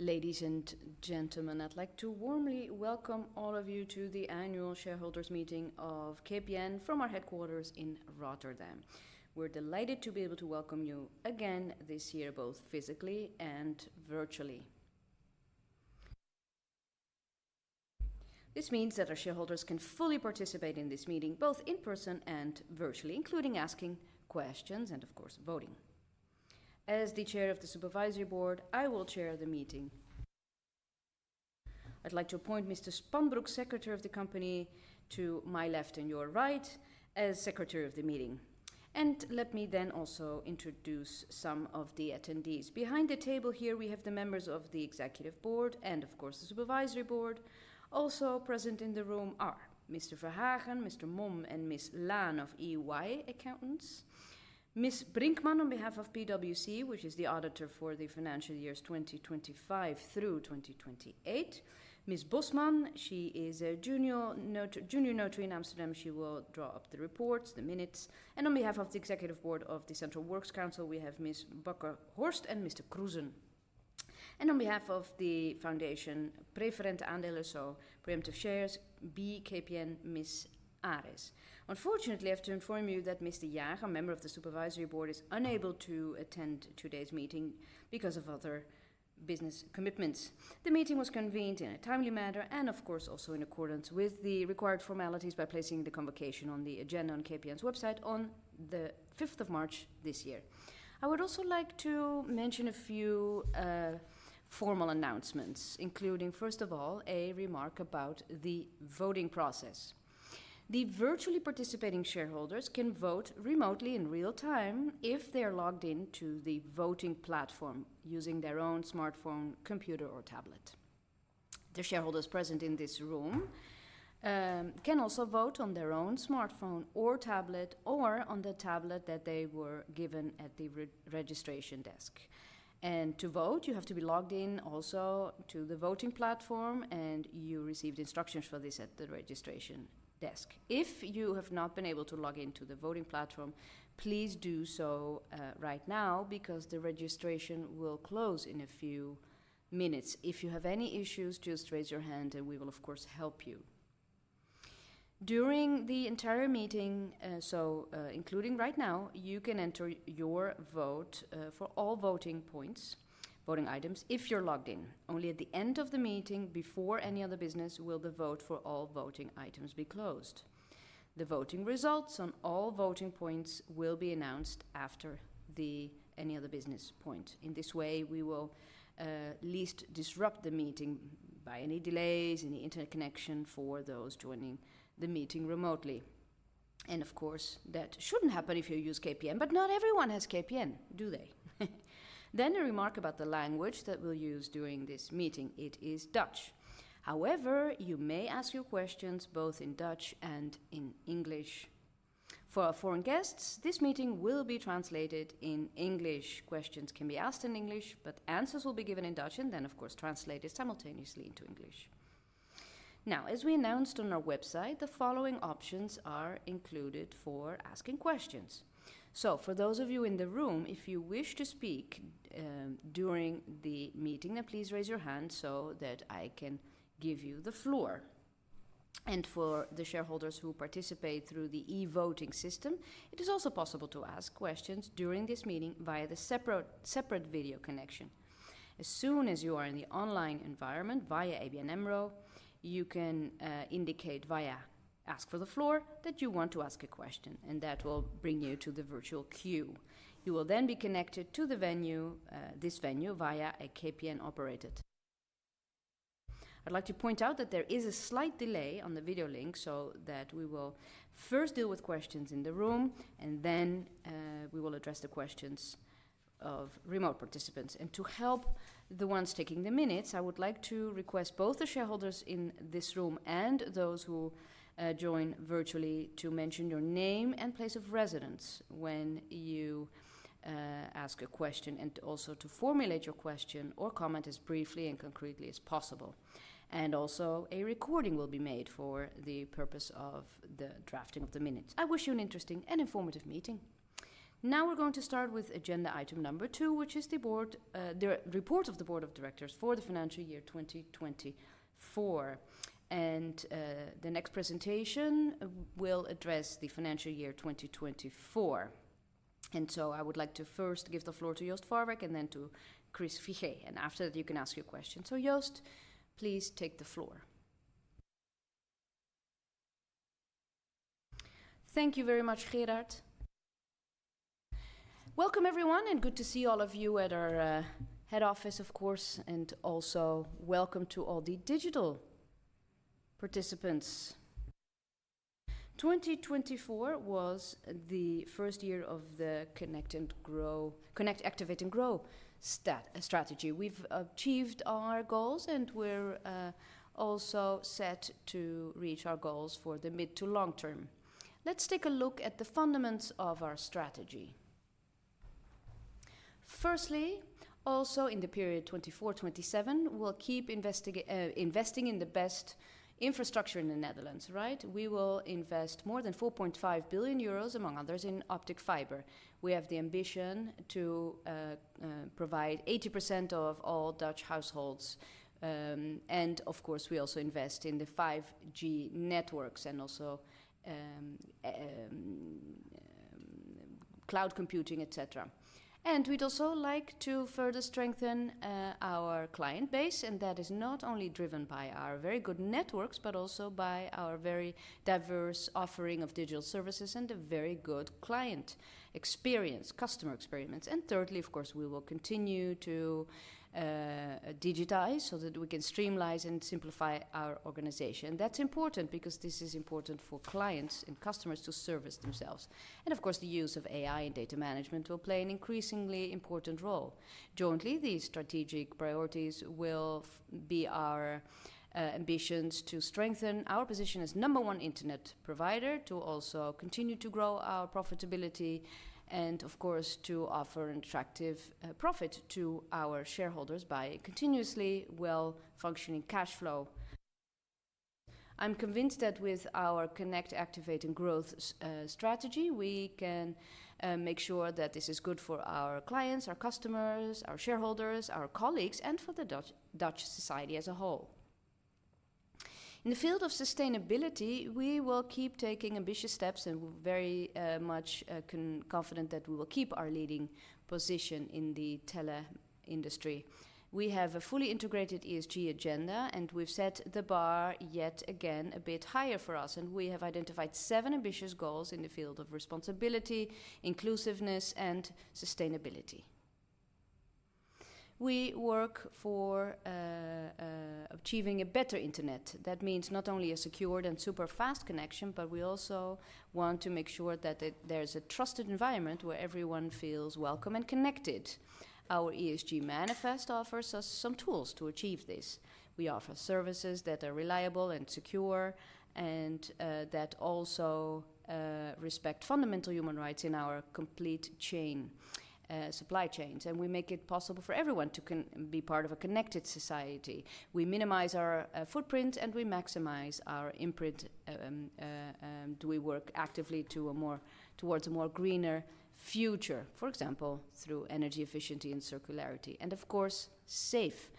Ladies and gentlemen, I'd like to warmly welcome all of you to the annual shareholders meeting of KPN from our headquarters in Rotterdam. We're delighted to be able to welcome you again this year, both physically and virtually. This means that our shareholders can fully participate in this meeting, both in person and virtually, including asking questions and, of course, voting. As the Chair of the Supervisory Board, I will chair the meeting. I'd like to appoint Mr. Spanbroek, Secretary of the Company, to my left and your right as Secretary of the Meeting. Let me then also introduce some of the attendees. Behind the table here, we have the members of the Executive Board and, of course, the Supervisory Board. Also present in the room are Mr. Verhagen, Mr. Maum, and Ms. Laan of EY Accountants. Ms. Brinkmann, on behalf of PwC, which is the auditor for the financial years 2025 through 2028. Ms. Bosman, she is a junior notary in Amsterdam. She will draw up the reports, the minutes. On behalf of the Executive Board of the Central Works Council, we have Ms. Bakker-Horst and Mr. Kruzen. On behalf of the foundation, Preferente Aandelen (So Preemptive Shares), B KPN, Ms. Aris. Unfortunately, I have to inform you that Mr. Jager, a member of the Supervisory Board, is unable to attend today's meeting because of other business commitments. The meeting was convened in a timely manner and, of course, also in accordance with the required formalities by placing the convocation on the agenda on KPN's website on the 5th of March this year. I would also like to mention a few formal announcements, including, first of all, a remark about the voting process. The virtually participating shareholders can vote remotely in real time if they are logged into the voting platform using their own smartphone, computer, or tablet. The shareholders present in this room can also vote on their own smartphone or tablet or on the tablet that they were given at the registration desk. To vote, you have to be logged in also to the voting platform, and you received instructions for this at the registration desk. If you have not been able to log into the voting platform, please do so right now because the registration will close in a few minutes. If you have any issues, just raise your hand, and we will, of course, help you. During the entire meeting, so including right now, you can enter your vote for all voting points, voting items, if you're logged in. Only at the end of the meeting, before any other business, will the vote for all voting items be closed. The voting results on all voting points will be announced after any other business point. In this way, we will least disrupt the meeting by any delays, any internet connection for those joining the meeting remotely. Of course, that shouldn't happen if you use KPN, but not everyone has KPN, do they? A remark about the language that we'll use during this meeting. It is Dutch. However, you may ask your questions both in Dutch and in English. For our foreign guests, this meeting will be translated in English. Questions can be asked in English, but answers will be given in Dutch and then, of course, translated simultaneously into English. Now, as we announced on our website, the following options are included for asking questions. For those of you in the room, if you wish to speak during the meeting, please raise your hand so that I can give you the floor. For the shareholders who participate through the e-voting system, it is also possible to ask questions during this meeting via the separate video connection. As soon as you are in the online environment via ABN AMRO, you can indicate via Ask for the Floor that you want to ask a question, and that will bring you to the virtual queue. You will then be connected to the venue, this venue, via a KPN-operated connection. I would like to point out that there is a slight delay on the video link so that we will first deal with questions in the room, and then we will address the questions of remote participants. To help the ones taking the minutes, I would like to request both the shareholders in this room and those who join virtually to mention your name and place of residence when you ask a question and also to formulate your question or comment as briefly and concretely as possible. Also, a recording will be made for the purpose of the drafting of the minutes. I wish you an interesting and informative meeting. We are going to start with agenda item number two, which is the report of the Board of Directors for the financial year 2024. The next presentation will address the financial year 2024. I would like to first give the floor to Joost Farwerck and then to Chris Figee. After that, you can ask your questions. Joost, please take the floor. Thank you very much, Gerard. Welcome, everyone, and good to see all of you at our head office, of course, and also welcome to all the digital participants. 2024 was the first year of the Connect Activate and Grow strategy. We've achieved our goals, and we're also set to reach our goals for the mid to long term. Let's take a look at the fundamentals of our strategy. Firstly, also in the period 2024-2027, we'll keep investing in the best infrastructure in the Netherlands, right? We will invest more than 4.5 billion euros, among others, in optic fiber. We have the ambition to provide 80% of all Dutch households. Of course, we also invest in the 5G networks and also cloud computing, etc. We'd also like to further strengthen our client base, and that is not only driven by our very good networks, but also by our very diverse offering of digital services and a very good client experience, customer experience. Thirdly, of course, we will continue to digitize so that we can streamline and simplify our organization. That's important because this is important for clients and customers to service themselves. Of course, the use of AI and data management will play an increasingly important role. Jointly, these strategic priorities will be our ambitions to strengthen our position as number one internet provider, to also continue to grow our profitability, and, of course, to offer an attractive profit to our shareholders by continuously well-functioning cash flow. I'm convinced that with our Connect Activate and Growth strategy, we can make sure that this is good for our clients, our customers, our shareholders, our colleagues, and for the Dutch society as a whole. In the field of sustainability, we will keep taking ambitious steps, and we're very much confident that we will keep our leading position in the telecom industry. We have a fully integrated ESG agenda, and we've set the bar yet again a bit higher for us. We have identified seven ambitious goals in the field of responsibility, inclusiveness, and sustainability. We work for achieving a better internet. That means not only a secured and super fast connection, but we also want to make sure that there's a trusted environment where everyone feels welcome and connected. Our ESG manifest offers us some tools to achieve this. We offer services that are reliable and secure and that also respect fundamental human rights in our complete supply chains. We make it possible for everyone to be part of a connected society. We minimize our footprint, and we maximize our imprint. Do we work actively towards a more greener future, for example, through energy efficiency and circularity? Of course, safe.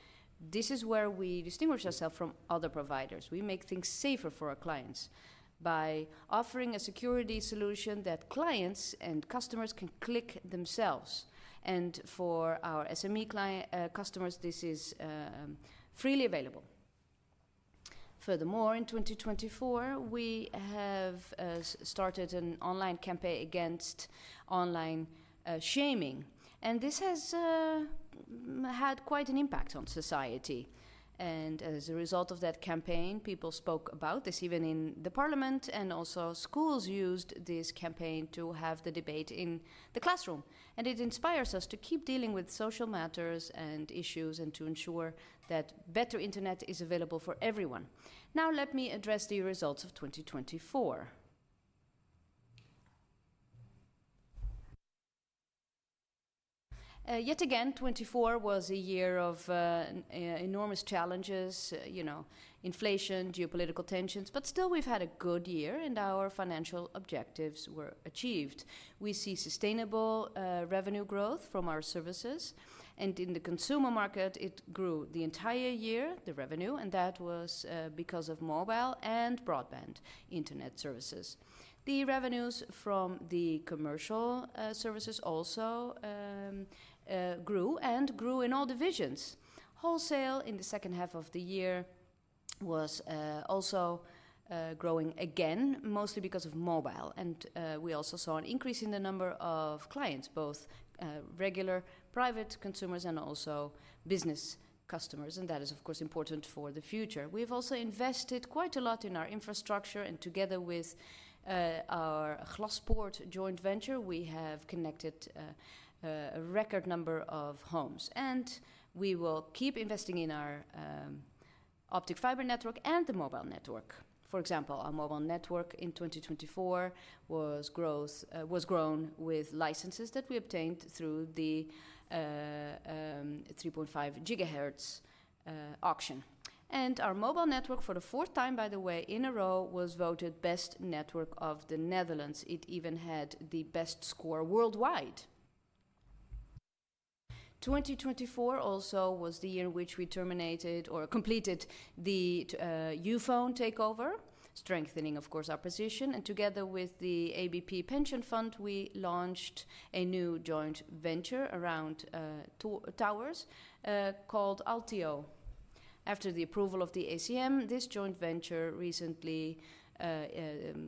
This is where we distinguish ourselves from other providers. We make things safer for our clients by offering a security solution that clients and customers can click themselves. For our SME customers, this is freely available. Furthermore, in 2024, we have started an online campaign against online shaming. This has had quite an impact on society. As a result of that campaign, people spoke about this even in the parliament, and also schools used this campaign to have the debate in the classroom. It inspires us to keep dealing with social matters and issues and to ensure that better internet is available for everyone. Now, let me address the results of 2024. Yet again, 2024 was a year of enormous challenges, inflation, geopolitical tensions, but still we've had a good year, and our financial objectives were achieved. We see sustainable revenue growth from our services. In the consumer market, it grew the entire year, the revenue, and that was because of mobile and broadband internet services. The revenues from the commercial services also grew and grew in all divisions. Wholesale in the second half of the year was also growing again, mostly because of mobile. We also saw an increase in the number of clients, both regular private consumers and also business customers. That is, of course, important for the future. We've also invested quite a lot in our infrastructure, and together with our Glaspoort joint venture, we have connected a record number of homes. We will keep investing in our fiber optic network and the mobile network. For example, our mobile network in 2024 was grown with licenses that we obtained through the 3.5 gigahertz auction. Our mobile network, for the fourth time in a row, was voted best network of the Netherlands. It even had the best score worldwide. 2024 also was the year in which we terminated or completed the Youfone takeover, strengthening, of course, our position. Together with the ABP Pension Fund, we launched a new joint venture around towers called TowerCo. After the approval of the ACM, this joint venture recently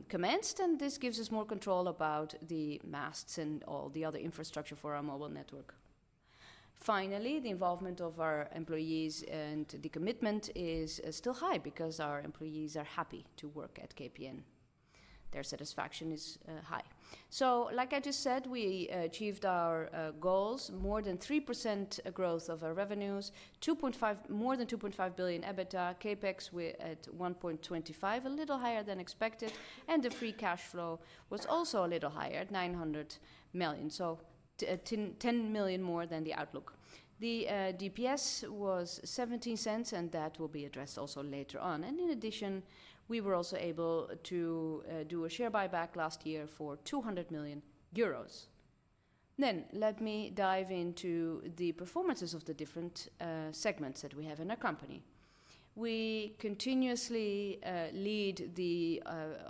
commenced, and this gives us more control about the masts and all the other infrastructure for our mobile network. Finally, the involvement of our employees and the commitment is still high because our employees are happy to work at KPN. Their satisfaction is high. Like I just said, we achieved our goals: more than 3% growth of our revenues, more than 2.5 billion EBITDA, CapEx at 1.25 billion, a little higher than expgected, and the free cash flow was also a little higher at 900 million, so 10 million more than the outlook. The DPS was 0.17, and that will be addressed also later on. In addition, we were also able to do a share buyback last year for 200 million euros. Let me dive into the performances of the different segments that we have in our company. We continuously lead the fiber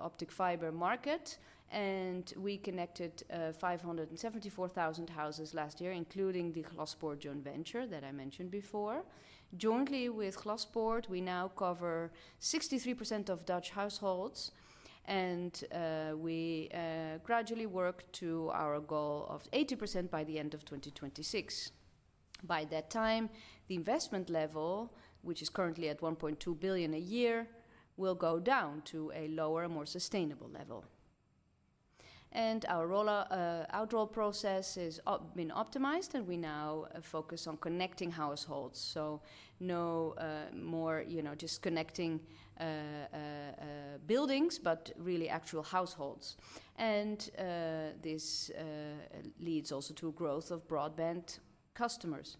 optic market, and we connected 574,000 houses last year, including the Glaspoort joint venture that I mentioned before. Jointly with Glaspoort, we now cover 63% of Dutch households, and we gradually work to our goal of 80% by the end of 2026. By that time, the investment level, which is currently at 1.2 billion a year, will go down to a lower, more sustainable level. Our outdoor process has been optimized, and we now focus on connecting households. No more just connecting buildings, but really actual households. This leads also to a growth of broadband customers.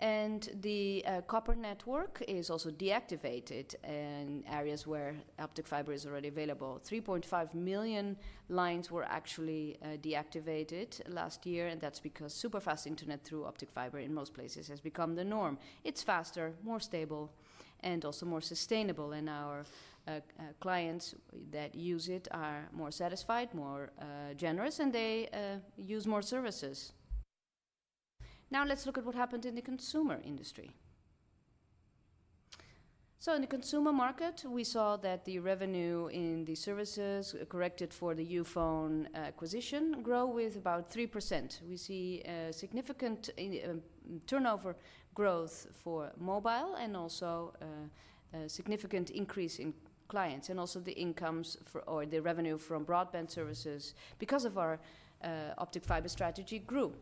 The copper network is also deactivated in areas where optic fiber is already available. 3.5 million lines were actually deactivated last year, and that's because super fast internet through optic fiber in most places has become the norm. It's faster, more stable, and also more sustainable, and our clients that use it are more satisfied, more generous, and they use more services. Now let's look at what happened in the consumer industry. In the consumer market, we saw that the revenue in the services, corrected for the Youfone acquisition, grew with about 3%. We see significant turnover growth for mobile and also a significant increase in clients, and also the incomes or the revenue from broadband services because of our optic fiber strategy grew.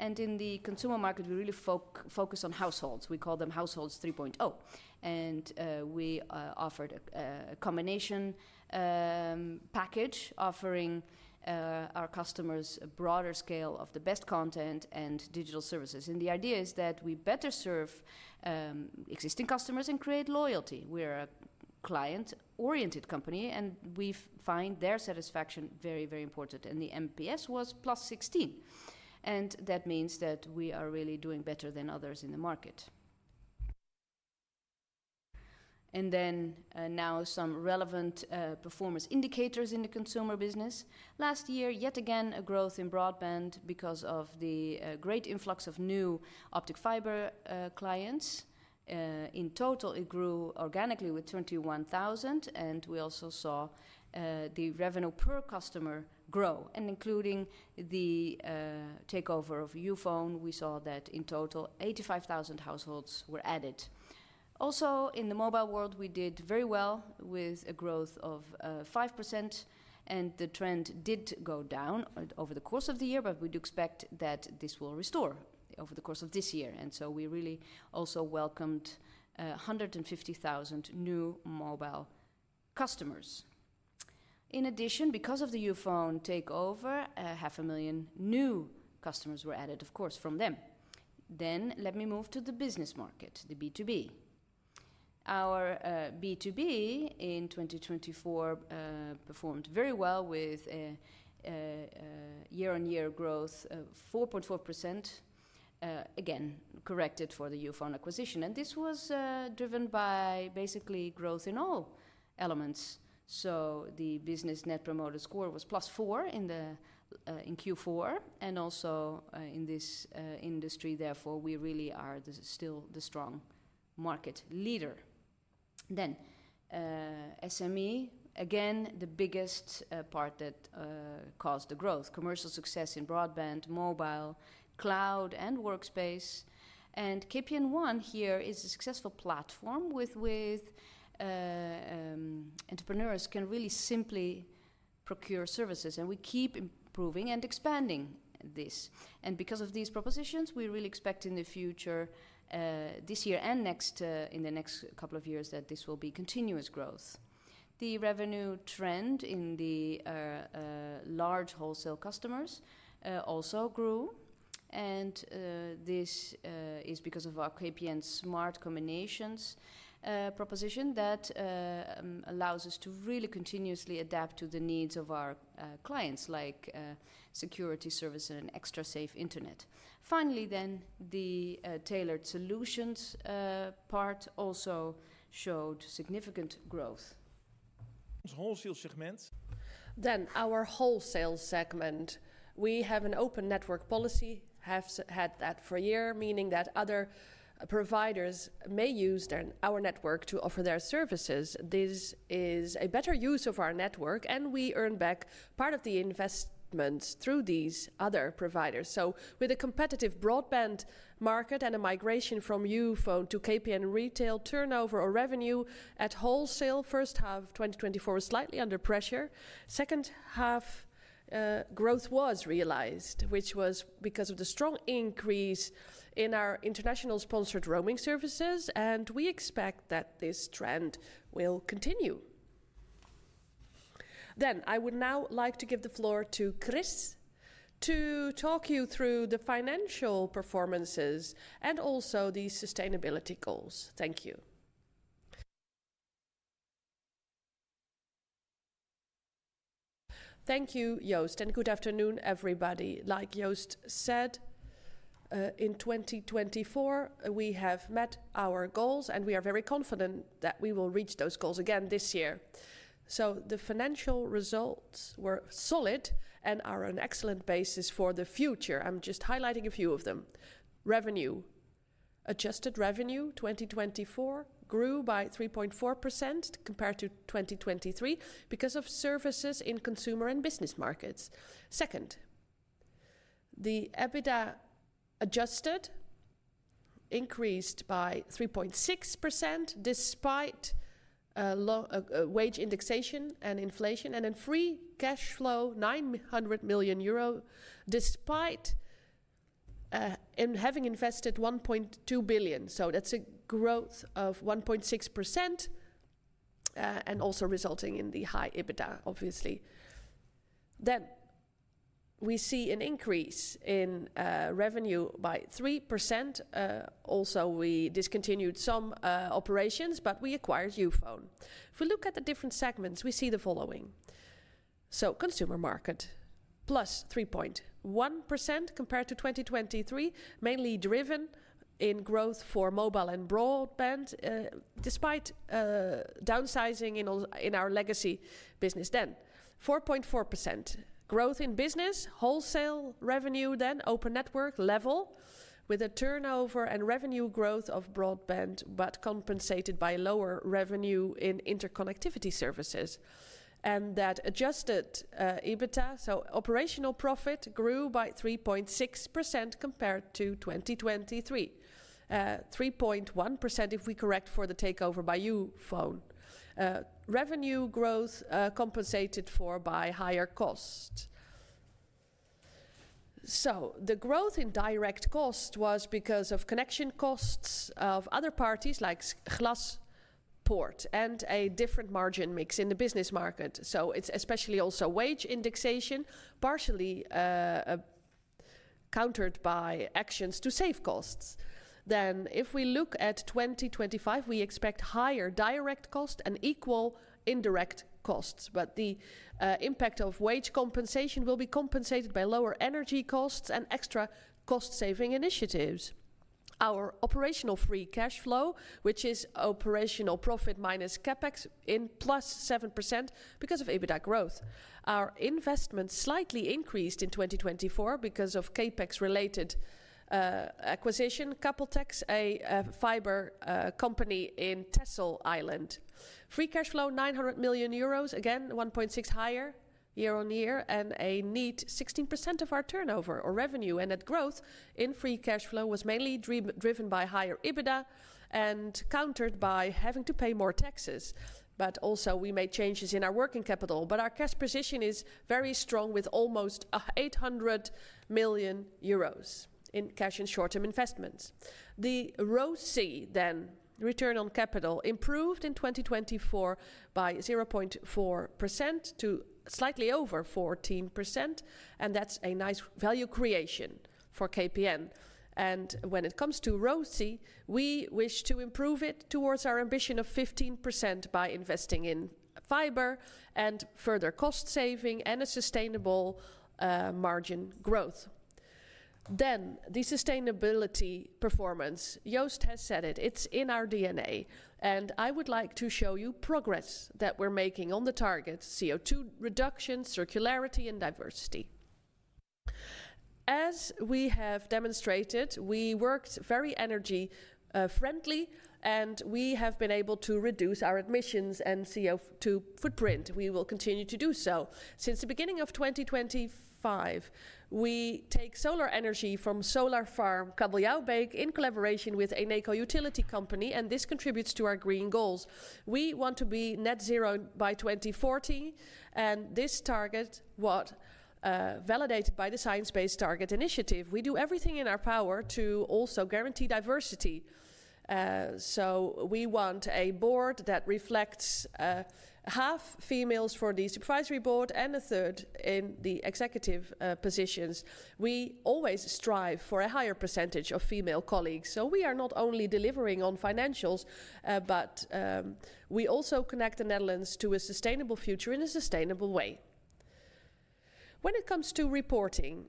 In the consumer market, we really focus on households. We call them Households 3.0. We offered a combination package offering our customers a broader scale of the best content and digital services. The idea is that we better serve existing customers and create loyalty. We're a client-oriented company, and we find their satisfaction very, very important. The NPS was plus 16. That means that we are really doing better than others in the market. Now some relevant performance indicators in the consumer business. Last year, yet again, a growth in broadband because of the great influx of new fiber clients. In total, it grew organically with 21,000, and we also saw the revenue per customer grow. Including the takeover of Youfone, we saw that in total, 85,000 households were added. Also, in the mobile world, we did very well with a growth of 5%, and the trend did go down over the course of the year, but we do expect that this will restore over the course of this year. We really also welcomed 150,000 new mobile customers. In addition, because of the Youfone takeover, 500,000 new customers were added, of course, from them. Let me move to the business market, the B2B. Our B2B in 2024 performed very well with year-on-year growth of 4.4%, again corrected for the Youfone acquisition. This was driven by basically growth in all elements. The business net promoter score was plus 4 in Q4. In this industry, therefore, we really are still the strong market leader. SME, again, the biggest part that caused the growth: commercial success in broadband, mobile, cloud, and workspace. KPN One here is a successful platform with which entrepreneurs can really simply procure services. We keep improving and expanding this. Because of these propositions, we really expect in the future, this year and in the next couple of years, that this will be continuous growth. The revenue trend in the large wholesale customers also grew. This is because of our KPN Smart Combinations proposition that allows us to really continuously adapt to the needs of our clients, like security service and extra safe internet. Finally, the tailored solutions part also showed significant growth. Our wholesale segment. In our wholesale segment, we have an open network policy, have had that for a year, meaning that other providers may use our network to offer their services. This is a better use of our network, and we earn back part of the investment through these other providers. With a competitive broadband market and a migration from Youfone to KPN retail, turnover or revenue at wholesale first half of 2024 was slightly under pressure. Second half growth was realized, which was because of the strong increase in our international sponsored roaming services, and we expect that this trend will continue. I would now like to give the floor to Chris to talk you through the financial performances and also the sustainability goals. Thank you. Thank you, Joost, and good afternoon, everybody. Like Joost said, in 2024, we have met our goals, and we are very confident that we will reach those goals again this year. The financial results were solid and are an excellent basis for the future. I'm just highlighting a few of them. Revenue, adjusted revenue 2024 grew by 3.4% compared to 2023 because of services in consumer and business markets. Second, the EBITDA adjusted increased by 3.6% despite wage indexation and inflation, and then free cash flow, 900 million euro, despite having invested 1.2 billion. That's a growth of 1.6% and also resulting in the high EBITDA, obviously. We see an increase in revenue by 3%. Also, we discontinued some operations, but we acquired Youfone. If we look at the different segments, we see the following. Consumer market, plus 3.1% compared to 2023, mainly driven in growth for mobile and broadband despite downsizing in our legacy business. 4.4% growth in business, wholesale revenue, open network level with a turnover and revenue growth of broadband, but compensated by lower revenue in interconnectivity services. Adjusted EBITDA, so operational profit grew by 3.6% compared to 2023, 3.1% if we correct for the takeover by Youfone. Revenue growth compensated for by higher cost. The growth in direct cost was because of connection costs of other parties like Glaspoort and a different margin mix in the business market. It is especially also wage indexation, partially countered by actions to save costs. If we look at 2025, we expect higher direct cost and equal indirect costs, but the impact of wage compensation will be compensated by lower energy costs and extra cost-saving initiatives. Our operational free cash flow, which is operational profit minus CapEx, is plus 7% because of EBITDA growth. Our investment slightly increased in 2024 because of CapEx-related acquisition, Kabeltex, a fiber company in Texel Island. Free cash flow, 900 million euros, again 1.6% higher year on year, and a neat 16% of our turnover or revenue. That growth in free cash flow was mainly driven by higher EBITDA and countered by having to pay more taxes. Also, we made changes in our working capital, but our cash position is very strong with almost 800 million euros in cash and short-term investments. The ROC, then return on capital, improved in 2024 by 0.4% to slightly over 14%, and that's a nice value creation for KPN. When it comes to ROC, we wish to improve it towards our ambition of 15% by investing in fiber and further cost-saving and a sustainable margin growth. The sustainability performance, Joost has said it, it's in our DNA, and I would like to show you progress that we're making on the targets, CO2 reduction, circularity, and diversity. As we have demonstrated, we worked very energy-friendly, and we have been able to reduce our emissions and CO2 footprint. We will continue to do so. Since the beginning of 2025, we take solar energy from solar farm Kabeljauwbeek in collaboration with Eneco Utility Company, and this contributes to our green goals. We want to be net zero by 2040, and this target was validated by the Science-based Target Initiative. We do everything in our power to also guarantee diversity. We want a board that reflects half females for the Supervisory Board and a third in the executive positions. We always strive for a higher percentage of female colleagues. We are not only delivering on financials, but we also connect the Netherlands to a sustainable future in a sustainable way. When it comes to reporting,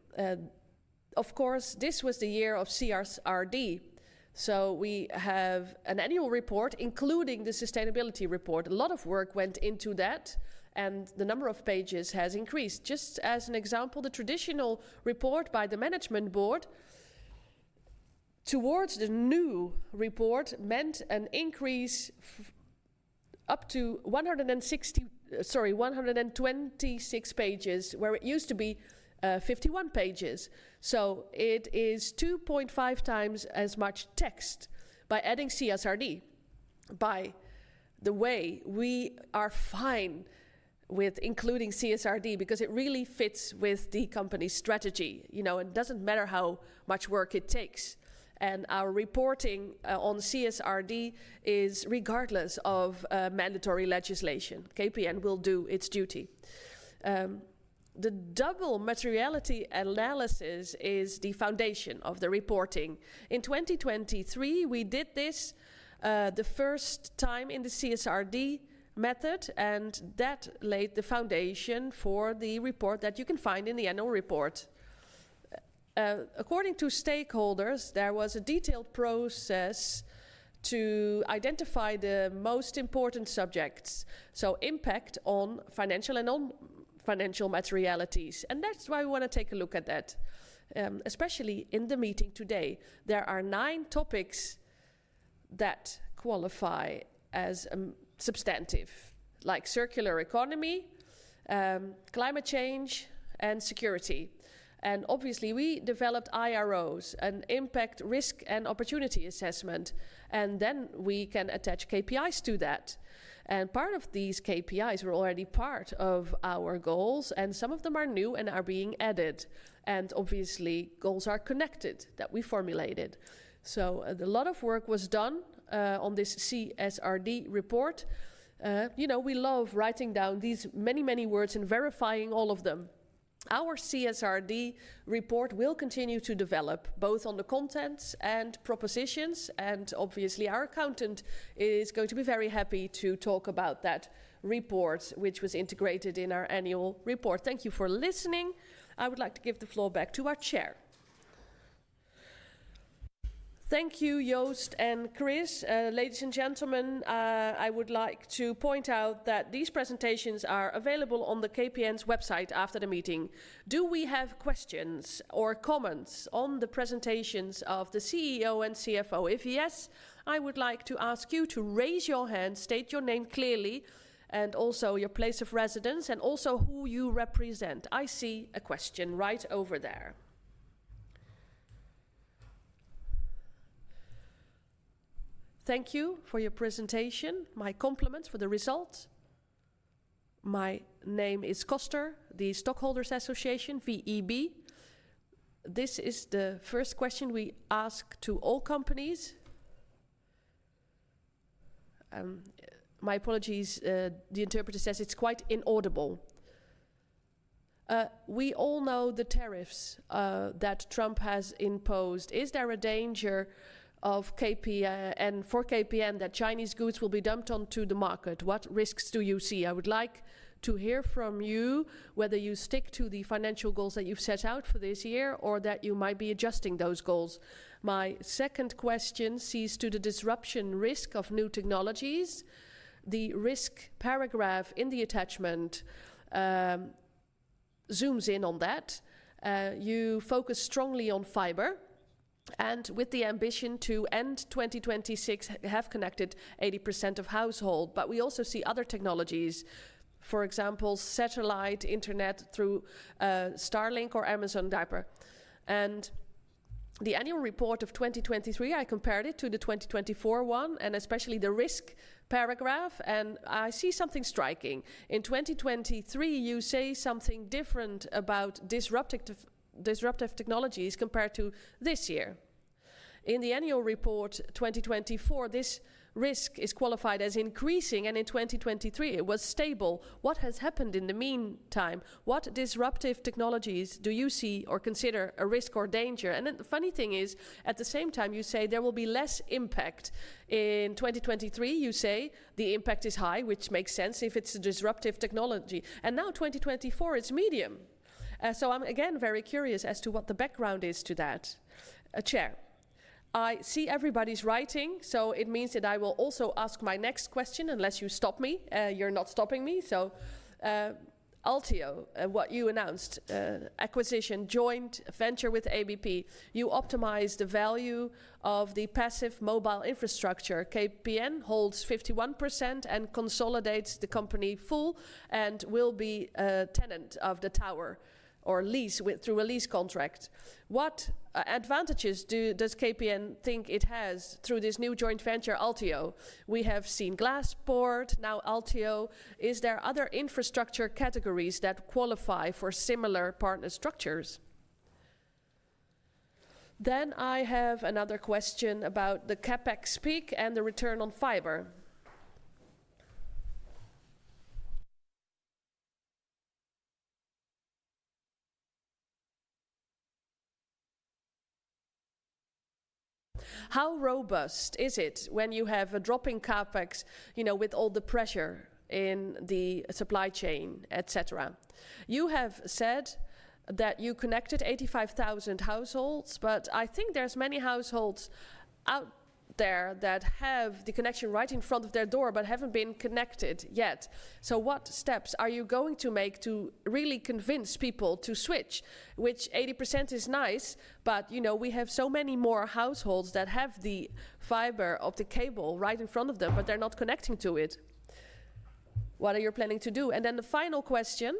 of course, this was the year of CSRD. We have an annual report, including the sustainability report. A lot of work went into that, and the number of pages has increased. Just as an example, the traditional report by the Management Board towards the new report meant an increase up to 126 pages, where it used to be 51 pages. It is 2.5 times as much text by adding CSRD by the way. We are fine with including CSRD because it really fits with the company's strategy. It does not matter how much work it takes. Our reporting on CSRD is regardless of mandatory legislation. KPN will do its duty. The double materiality analysis is the foundation of the reporting. In 2023, we did this the first time in the CSRD method, and that laid the foundation for the report that you can find in the annual report. According to stakeholders, there was a detailed process to identify the most important subjects, so impact on financial and on financial materialities. That is why we want to take a look at that, especially in the meeting today. There are nine topics that qualify as substantive, like circular economy, climate change, and security. Obviously, we developed IROs, an impact risk and opportunity assessment, and then we can attach KPIs to that. Part of these KPIs were already part of our goals, and some of them are new and are being added. Obviously, goals are connected that we formulated. A lot of work was done on this CSRD report. We love writing down these many, many words and verifying all of them. Our CSRD report will continue to develop both on the contents and propositions, and obviously, our accountant is going to be very happy to talk about that report, which was integrated in our annual report. Thank you for listening. I would like to give the floor back to our chair. Thank you, Joost and Chris. Ladies and gentlemen, I would like to point out that these presentations are available on KPN's website after the meeting. Do we have questions or comments on the presentations of the CEO and CFO? If yes, I would like to ask you to raise your hand, state your name clearly, and also your place of residence, and also who you represent. I see a question right over there. Thank you for your presentation. My compliments for the results. My name is Koster, the Stockholders Association, VEB. This is the first question we ask to all companies. My apologies, the interpreter says it's quite inaudible. We all know the tariffs that Trump has imposed. Is there a danger for KPN that Chinese goods will be dumped onto the market? What risks do you see? I would like to hear from you whether you stick to the financial goals that you've set out for this year or that you might be adjusting those goals. My second question sees to the disruption risk of new technologies. The risk paragraph in the attachment zooms in on that. You focus strongly on fiber and with the ambition to end 2026 have connected 80% of households, but we also see other technologies, for example, satellite internet through Starlink or Amazon Kuiper. In the annual report of 2023, I compared it to the 2024 one and especially the risk paragraph, and I see something striking. In 2023, you say something different about disruptive technologies compared to this year. In the annual report 2024, this risk is qualified as increasing, and in 2023, it was stable. What has happened in the meantime? What disruptive technologies do you see or consider a risk or danger? The funny thing is, at the same time, you say there will be less impact. In 2023, you say the impact is high, which makes sense if it's a disruptive technology. Now 2024, it's medium. I am again very curious as to what the background is to that. Chair, I see everybody's writing, so it means that I will also ask my next question unless you stop me. You're not stopping me. Altio, what you announced, acquisition, joint venture with ABP. You optimize the value of the passive mobile infrastructure. KPN holds 51% and consolidates the company fully and will be a tenant of the tower or lease through a lease contract. What advantages does KPN think it has through this new joint venture, Altio? We have seen Glaspoort, now Altio. Are there other infrastructure categories that qualify for similar partner structures? I have another question about the CapEx peak and the return on fiber. How robust is it when you have a drop in CapEx with all the pressure in the supply chain, etc.? You have said that you connected 85,000 households, but I think there's many households out there that have the connection right in front of their door but haven't been connected yet. What steps are you going to make to really convince people to switch, which 80% is nice, but we have so many more households that have the fiber or the cable right in front of them, but they're not connecting to it. What are you planning to do? The final question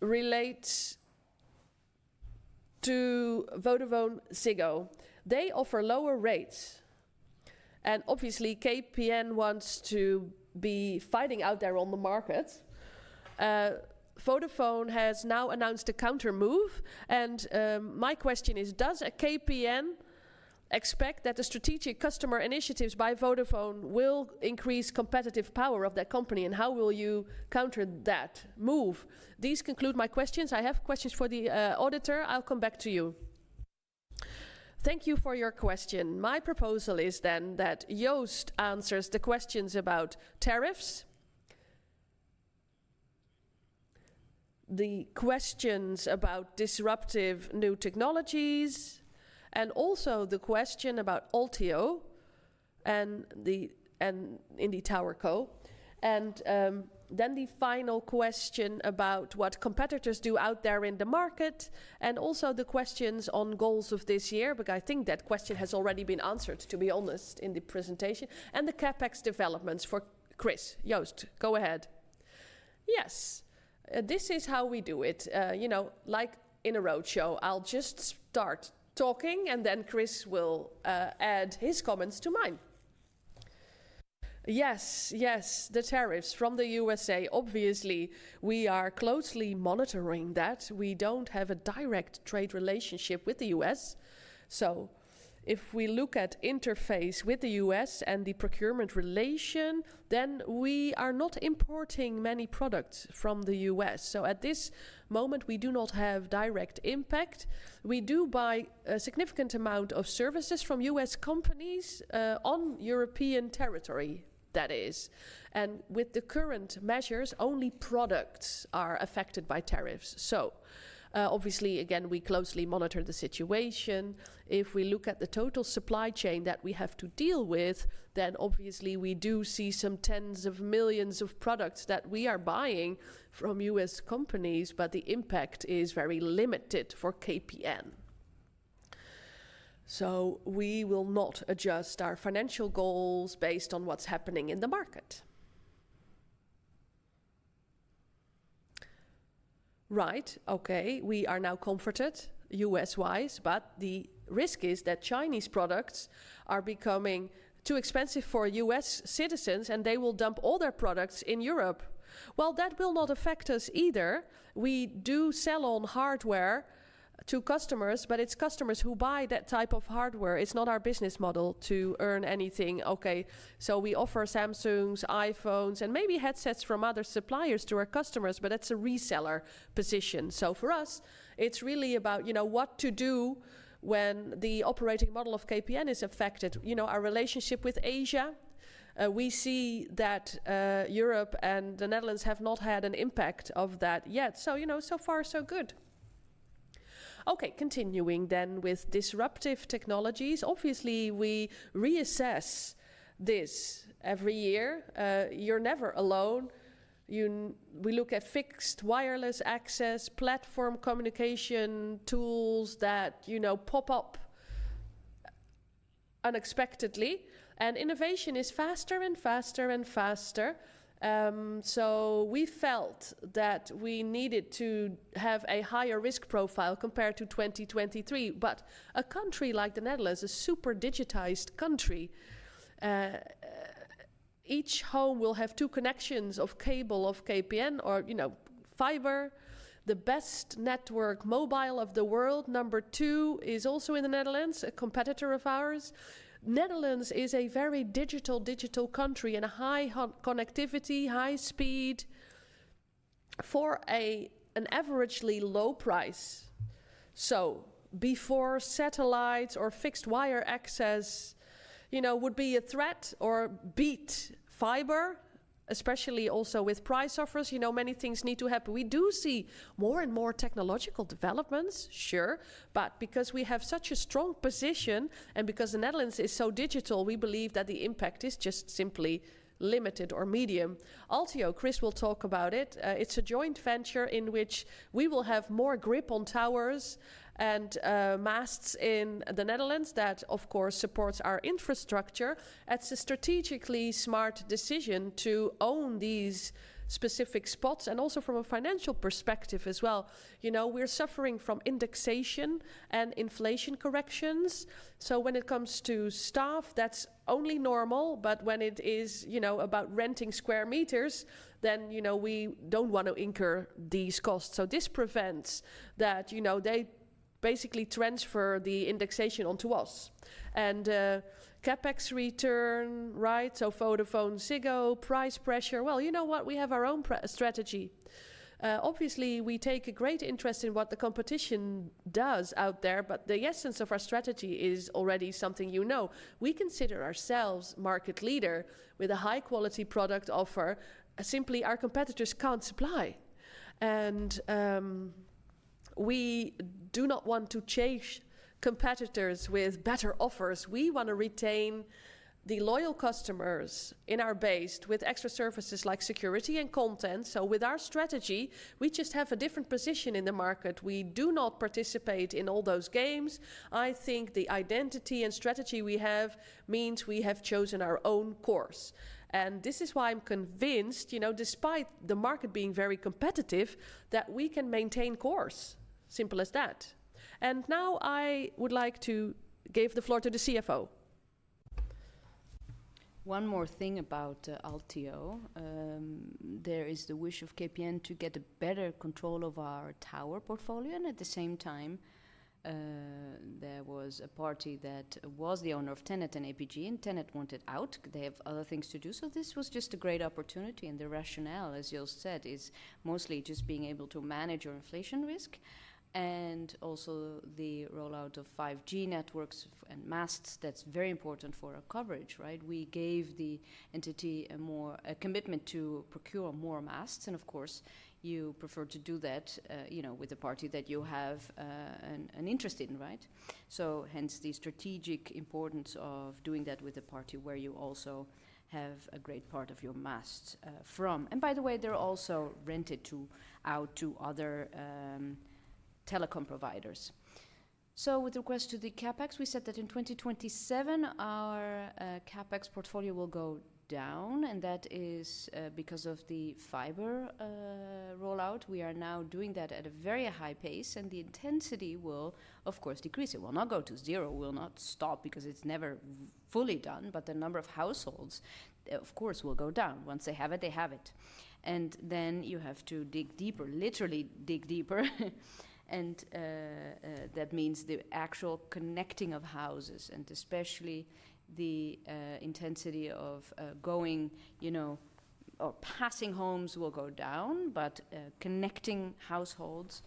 relates to VodafoneZiggo. They offer lower rates, and obviously, KPN wants to be fighting out there on the market. Vodafone has now announced a counter move, and my question is, does KPN expect that the strategic customer initiatives by Vodafone will increase competitive power of that company, and how will you counter that move? These conclude my questions. I have questions for the auditor. I'll come back to you. Thank you for your question. My proposal is then that Joost answers the questions about tariffs, the questions about disruptive new technologies, and also the question about Althio and in the tower co. The final question about what competitors do out there in the market, and also the questions on goals of this year, because I think that question has already been answered, to be honest, in the presentation. The CapEx developments for Chris. Joost, go ahead. Yes, this is how we do it. Like in a roadshow, I'll just start talking, and then Chris will add his comments to mine. Yes, yes, the tariffs from the U.S. Obviously, we are closely monitoring that. We don't have a direct trade relationship with the U.S. If we look at interface with the U.S. and the procurement relation, then we are not importing many products from the U.S. At this moment, we do not have direct impact. We do buy a significant amount of services from U.S. companies on European territory, that is. With the current measures, only products are affected by tariffs. Obviously, again, we closely monitor the situation. If we look at the total supply chain that we have to deal with, then obviously, we do see some tens of millions of products that we are buying from U.S. companies, but the impact is very limited for KPN. We will not adjust our financial goals based on what's happening in the market. Right, okay. We are now comforted U.S.-wise, but the risk is that Chinese products are becoming too expensive for U.S. citizens, and they will dump all their products in Europe. That will not affect us either. We do sell on hardware to customers, but it's customers who buy that type of hardware. It's not our business model to earn anything. Okay, we offer Samsungs, iPhones, and maybe headsets from other suppliers to our customers, but that's a reseller position. For us, it's really about what to do when the operating model of KPN is affected. Our relationship with Asia, we see that Europe and the Netherlands have not had an impact of that yet. So far, so good. Okay, continuing then with disruptive technologies. Obviously, we reassess this every year. You're never alone. We look at fixed wireless access, platform communication tools that pop up unexpectedly. Innovation is faster and faster and faster. We felt that we needed to have a higher risk profile compared to 2023. A country like the Netherlands is a super digitized country. Each home will have two connections of cable of KPN or fiber. The best network mobile of the world, number two, is also in the Netherlands, a competitor of ours. Netherlands is a very digital, digital country and a high connectivity, high speed for an averagely low price. Before satellites or fixed wire access would be a threat or beat fiber, especially also with price offers, many things need to happen. We do see more and more technological developments, sure, but because we have such a strong position and because the Netherlands is so digital, we believe that the impact is just simply limited or medium. Althio, Chris will talk about it. It's a joint venture in which we will have more grip on towers and masts in the Netherlands that, of course, supports our infrastructure. It's a strategically smart decision to own these specific spots and also from a financial perspective as well. We're suffering from indexation and inflation corrections. When it comes to staff, that's only normal, but when it is about renting square meters, then we do not want to incur these costs. This prevents that they basically transfer the indexation onto us. CapEx return, right? VodafoneZiggo, price pressure. You know what? We have our own strategy. Obviously, we take a great interest in what the competition does out there, but the essence of our strategy is already something you know. We consider ourselves market leader with a high-quality product offer. Simply, our competitors can't supply. We do not want to chase competitors with better offers. We want to retain the loyal customers in our base with extra services like security and content. With our strategy, we just have a different position in the market. We do not participate in all those games. I think the identity and strategy we have means we have chosen our own course. This is why I'm convinced, despite the market being very competitive, that we can maintain course. Simple as c. Now I would like to give the floor to the CFO. One more thing about Althio. There is the wish of KPN to get a better control of our tower portfolio. At the same time, there was a party that was the owner of Tenet and APG, and Tenet wanted out. They have other things to do. This was just a great opportunity. The rationale, as Joost said, is mostly just being able to manage your inflation risk and also the rollout of 5G networks and masts. That is very important for our coverage, right? We gave the entity a commitment to procure more masts. Of course, you prefer to do that with the party that you have an interest in, right? Hence the strategic importance of doing that with the party where you also have a great part of your masts from. By the way, they are also rented out to other telecom providers. With respect to the CapEx, we said that in 2027, our CapEx portfolio will go down, and that is because of the fiber rollout. We are now doing that at a very high pace, and the intensity will, of course, decrease. It will not go to zero. We will not stop because it's never fully done, but the number of households, of course, will go down. Once they have it, they have it. You have to dig deeper, literally dig deeper. That means the actual connecting of houses, and especially the intensity of going or passing homes will go down, but connecting households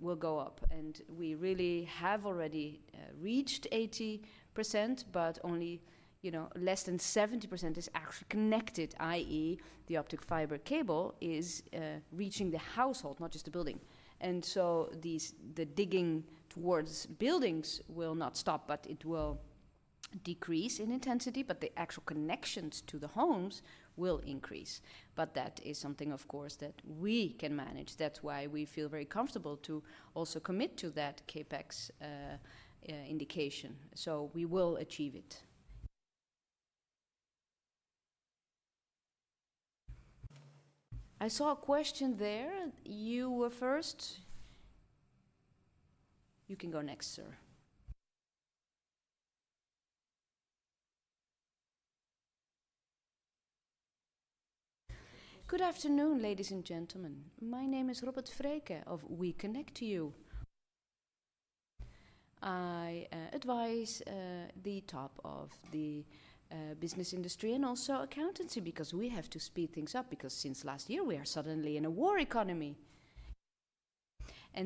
will go up. We really have already reached 80%, but only less than 70% is actually connected, i.e., the optic fiber cable is reaching the household, not just the building. The digging towards buildings will not stop, but it will decrease in intensity, while the actual connections to the homes will increase. That is something, of course, that we can manage. That is why we feel very comfortable to also commit to that CapEx indication. We will achieve it. I saw a question there. You were first. You can go next, sir. Good afternoon, ladies and gentlemen. My name is Robert Vreeken of We Connect You. I advise the top of the business industry and also accountancy because we have to speed things up because since last year, we are suddenly in a war economy.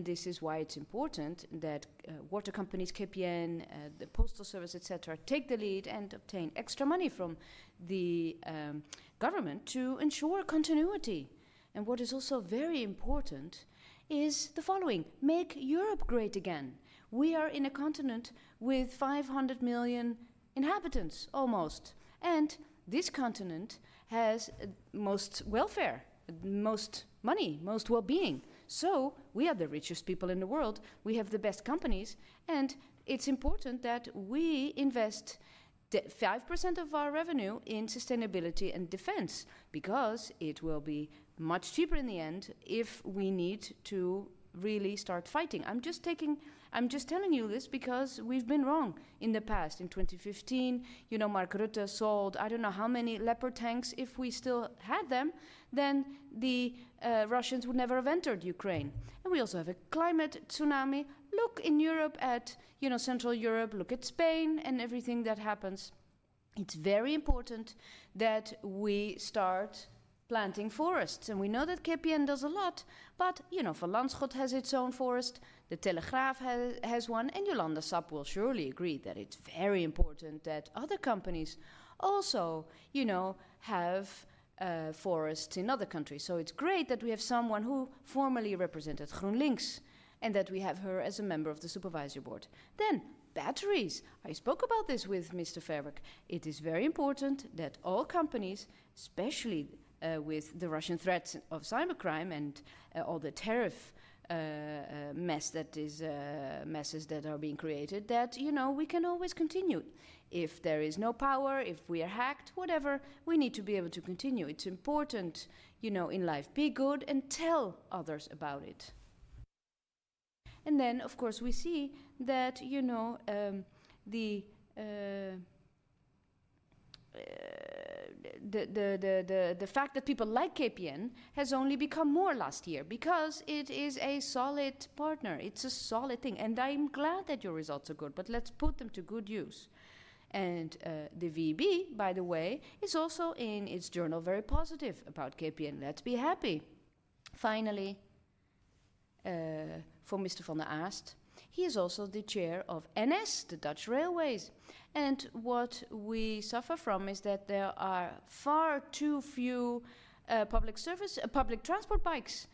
This is why it is important that water companies, KPN, the postal service, etc., take the lead and obtain extra money from the government to ensure continuity. What is also very important is the following: make Europe great again. We are in a continent with 500 million inhabitants almost, and this continent has most welfare, most money, most well-being. We are the richest people in the world. We have the best companies, and it's important that we invest 5% of our revenue in sustainability and defense because it will be much cheaper in the end if we need to really start fighting. I'm just telling you this because we've been wrong in the past. In 2015, Mark Rutte sold, I don't know how many Leopard tanks. If we still had them, then the Russians would never have entered Ukraine. We also have a climate tsunami. Look in Europe at Central Europe, look at Spain and everything that happens. It's very important that we start planting forests. We know that KPN does a lot, but Van Lanschot has its own forest, the Telegraaf has one, and Jolande Sap will surely agree that it is very important that other companies also have forests in other countries. It is great that we have someone who formally represented GroenLinks and that we have her as a member of the Supervisory Board. Batteries. I spoke about this with Mr. Farwerck. It is very important that all companies, especially with the Russian threats of cybercrime and all the tariff mess that is messes that are being created, that we can always continue. If there is no power, if we are hacked, whatever, we need to be able to continue. It is important in life to be good and tell others about it. Of course, we see that the fact that people like KPN has only become more last year because it is a solid partner. It's a solid thing. I'm glad that your results are good, but let's put them to good use. The VB, by the way, is also in its journal very positive about KPN. Let's be happy. Finally, for Mr. van de Aast, he is also the Chair of NS, the Dutch Railways. What we suffer from is that there are far too few public transport bikes.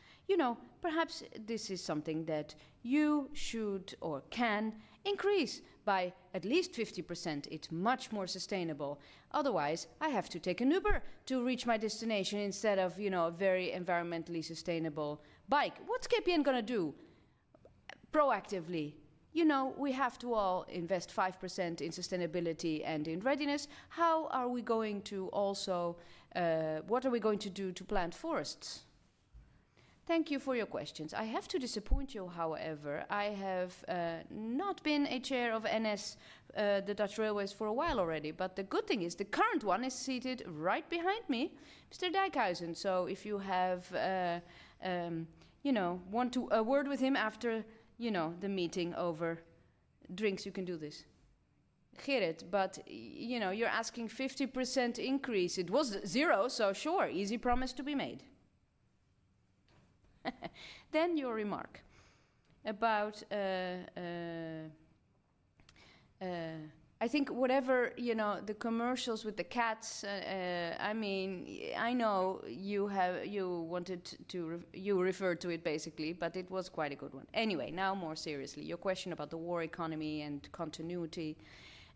Perhaps this is something that you should or can increase by at least 50%. It's much more sustainable. Otherwise, I have to take an Uber to reach my destination instead of a very environmentally sustainable bike. What's KPN going to do proactively? We have to all invest 5% in sustainability and in readiness. How are we going to also what are we going to do to plant forests? Thank you for your questions. I have to disappoint you, however. I have not been a chair of NS, the Dutch Railways, for a while already, but the good thing is the current one is seated right behind me, Mr. Dijkhuizen. If you want to word with him after the meeting over drinks, you can do this. Gerrit, but you're asking 50% increase. It was zero, so sure, easy promise to be made. Your remark about I think whatevoer the commercials with the cats, I mean, I know you wanted to you referred to it basically, but it was quite a good one. Anyway, now more seriously, your question about the war economy and continuity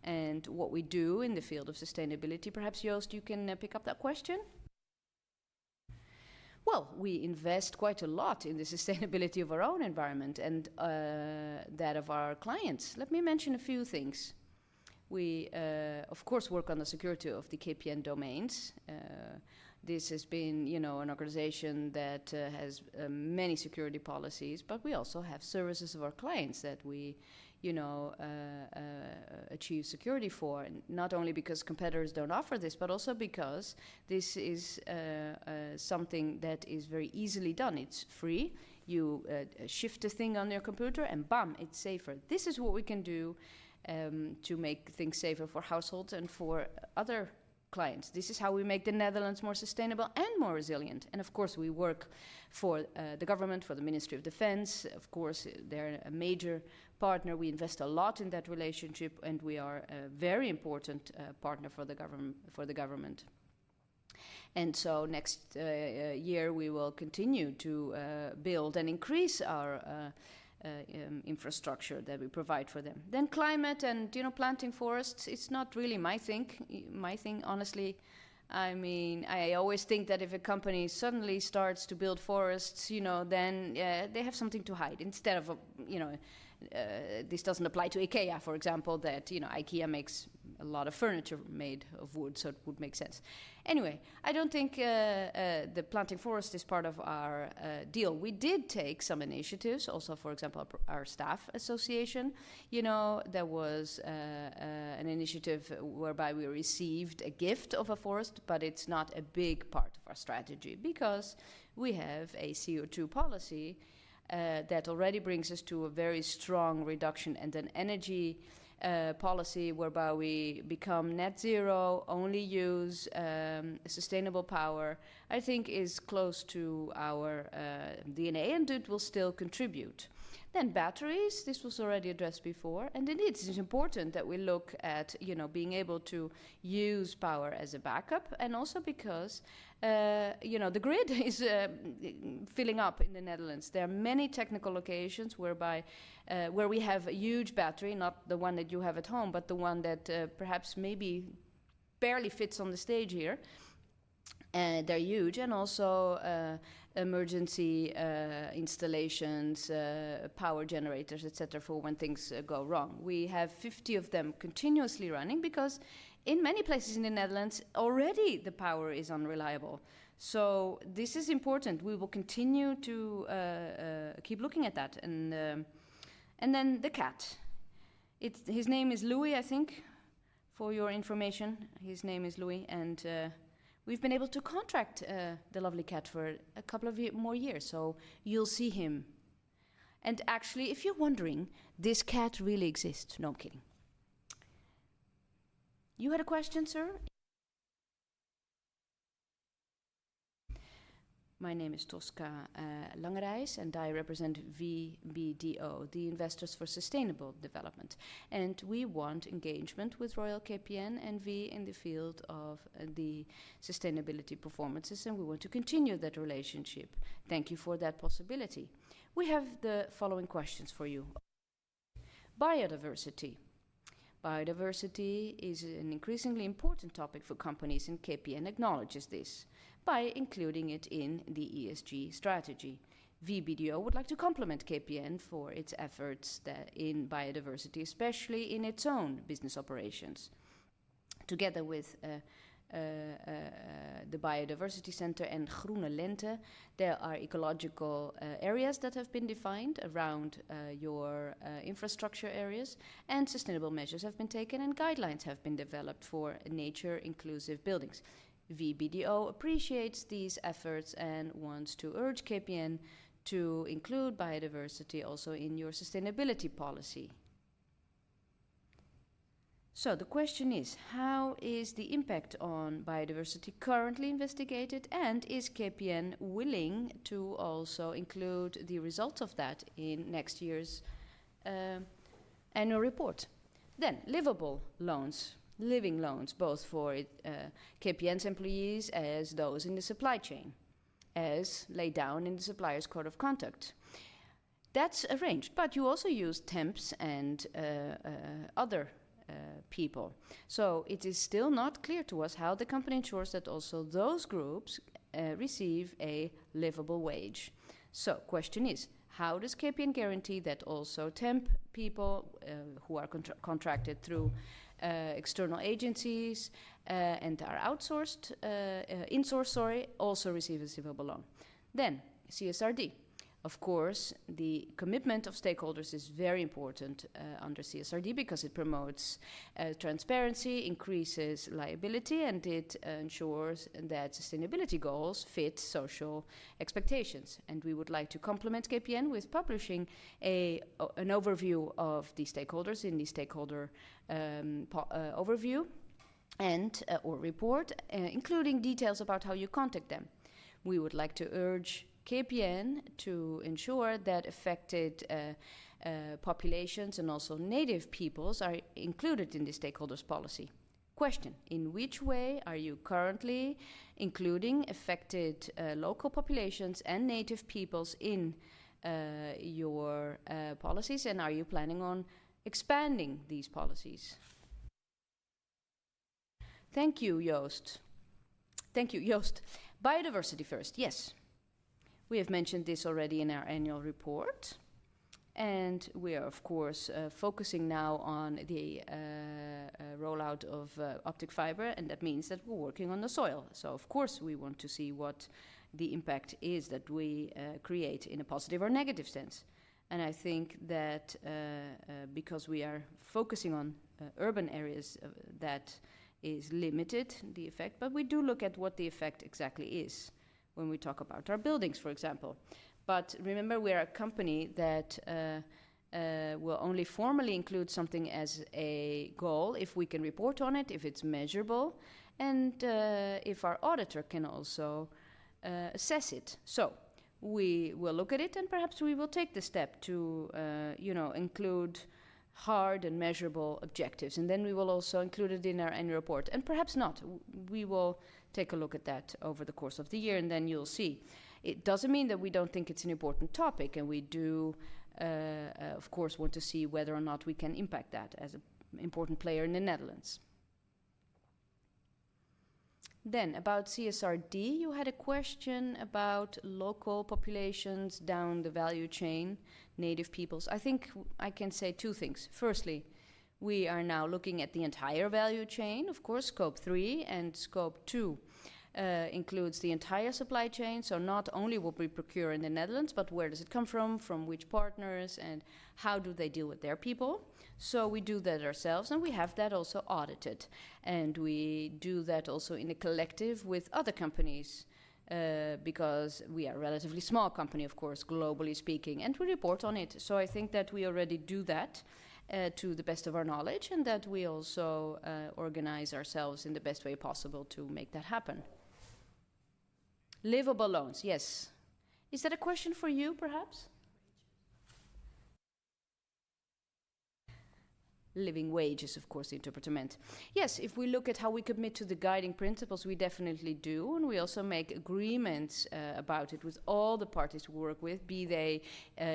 and what we do in the field of sustainability. Perhaps, Joost, you can pick up that question. We invest quite a lot in the sustainability of our own environment and that of our clients. Let me mention a few things. We, of course, work on the security of the KPN domains. This has been an organization that has many security policies, but we also have services of our clients that we achieve security for, not only because competitors do not offer this, but also because this is something that is very easily done. It is free. You shift a thing on your computer and bam, it is safer. This is what we can do to make things safer for households and for other clients. This is how we make the Netherlands more sustainable and more resilient. Of course, we work for the government, for the Ministry of Defense. Of course, they are a major partner. We invest a lot in that relationship, and we are a very important partner for the government. Next year, we will continue to build and increase our infrastructure that we provide for them. Climate and planting forests, it's not really my thing. My thing, honestly, I mean, I always think that if a company suddenly starts to build forests, then they have something to hide instead of this. This does not apply to Ikea, for example, that Ikea makes a lot of furniture made of wood, so it would make sense. Anyway, I do not think the planting forest is part of our deal. We did take some initiatives, also, for example, our staff association. There was an initiative whereby we received a gift of a forest, but it's not a big part of our strategy because we have a CO2 policy that already brings us to a very strong reduction and an energy policy whereby we become net zero, only use sustainable power, I think is close to our DNA, and it will still contribute. Batteries, this was already addressed before. Indeed, it's important that we look at being able to use power as a backup and also because the grid is filling up in the Netherlands. There are many technical locations where we have a huge battery, not the one that you have at home, but the one that perhaps maybe barely fits on the stage here. They're huge. Also emergency installations, power generators, etc., for when things go wrong. We have 50 of them continuously running because in many places in the Netherlands, already the power is unreliable. This is important. We will continue to keep looking at that. The cat, his name is Louis, I think, for your information. His name is Louis. We have been able to contract the lovely cat for a couple of more years, so you will see him. Actually, if you are wondering, this cat really exists. No kidding. You had a question, sir? My name is Tosca Langereis, and I represent VBDO, the Investors for Sustainable Development. We want engagement with Royal KPN N.V. in the field of the sustainability performances, and we want to continue that relationship. Thank you for that possibility. We have the following questions for you. Biodiversity. Biodiversity is an increasingly important topic for companies, and KPN acknowledges this by including it in the ESG strategy. VBDO would like to complement KPN for its efforts in biodiversity, especially in its own business operations. Together with the Biodiversity Center in Leiden, there are ecological areas that have been defined around your infrastructure areas, and sustainable measures have been taken, and guidelines have been developed for nature-inclusive buildings. VBDO appreciates these efforts and wants to urge KPN to include biodiversity also in your sustainability policy. The question is, how is the impact on biodiversity currently investigated, and is KPN willing to also include the results of that in next year's annual report? Livable loans, living loans, both for KPN's employees as those in the supply chain, as laid down in the supplier's code of conduct. That's arranged, but you also use temps and other people. It is still not clear to us how the company ensures that also those groups receive a livable wage. The question is, how does KPN guarantee that also temp people who are contracted through external agencies and are insourced also receive a livable wage? CSRD. Of course, the commitment of stakeholders is very important under CSRD because it promotes transparency, increases liability, and it ensures that sustainability goals fit social expectations. We would like to complement KPN with publishing an overview of the stakeholders in the stakeholder overview and/or report, including details about how you contact them. We would like to urge KPN to ensure that affected populations and also native peoples are included in the stakeholders' policy. Question, in which way are you currently including affected local populations and native peoples in your policies, and are you planning on expanding these policies? Thank you, Joost. Thank you, Joost. Biodiversity first, yes. We have mentioned this already in our annual report, and we are, of course, focusing now on the rollout of optic fiber, and that means that we're working on the soil. Of course, we want to see what the impact is that we create in a positive or negative sense. I think that because we are focusing on urban areas, that is limited the effect, but we do look at what the effect exactly is when we talk about our buildings, for example. Remember, we are a company that will only formally include something as a goal if we can report on it, if it's measurable, and if our auditor can also assess it. We will look at it, and perhaps we will take the step to include hard and measurable objectives, and then we will also include it in our annual report. Perhaps not. We will take a look at that over the course of the year, and then you'll see. It does not mean that we do not think it is an important topic, and we do, of course, want to see whether or not we can impact that as an important player in the Netherlands. About CSRD, you had a question about local populations down the value chain, native peoples. I think I can say two things. Firstly, we are now looking at the entire value chain, of course, scope three, and scope two includes the entire supply chain. Not only what we procure in the Netherlands, but where does it come from, from which partners, and how do they deal with their people. We do that ourselves, and we have that also audited. We do that also in a collective with other companies because we are a relatively small company, of course, globally speaking, and we report on it. I think that we already do that to the best of our knowledge and that we also organize ourselves in the best way possible to make that happen. Livable loans, yes. Is that a question for you, perhaps? Living wages, of course, the interpreter. Yes, if we look at how we commit to the guiding principles, we definitely do, and we also make agreements about it with all the parties we work with, be they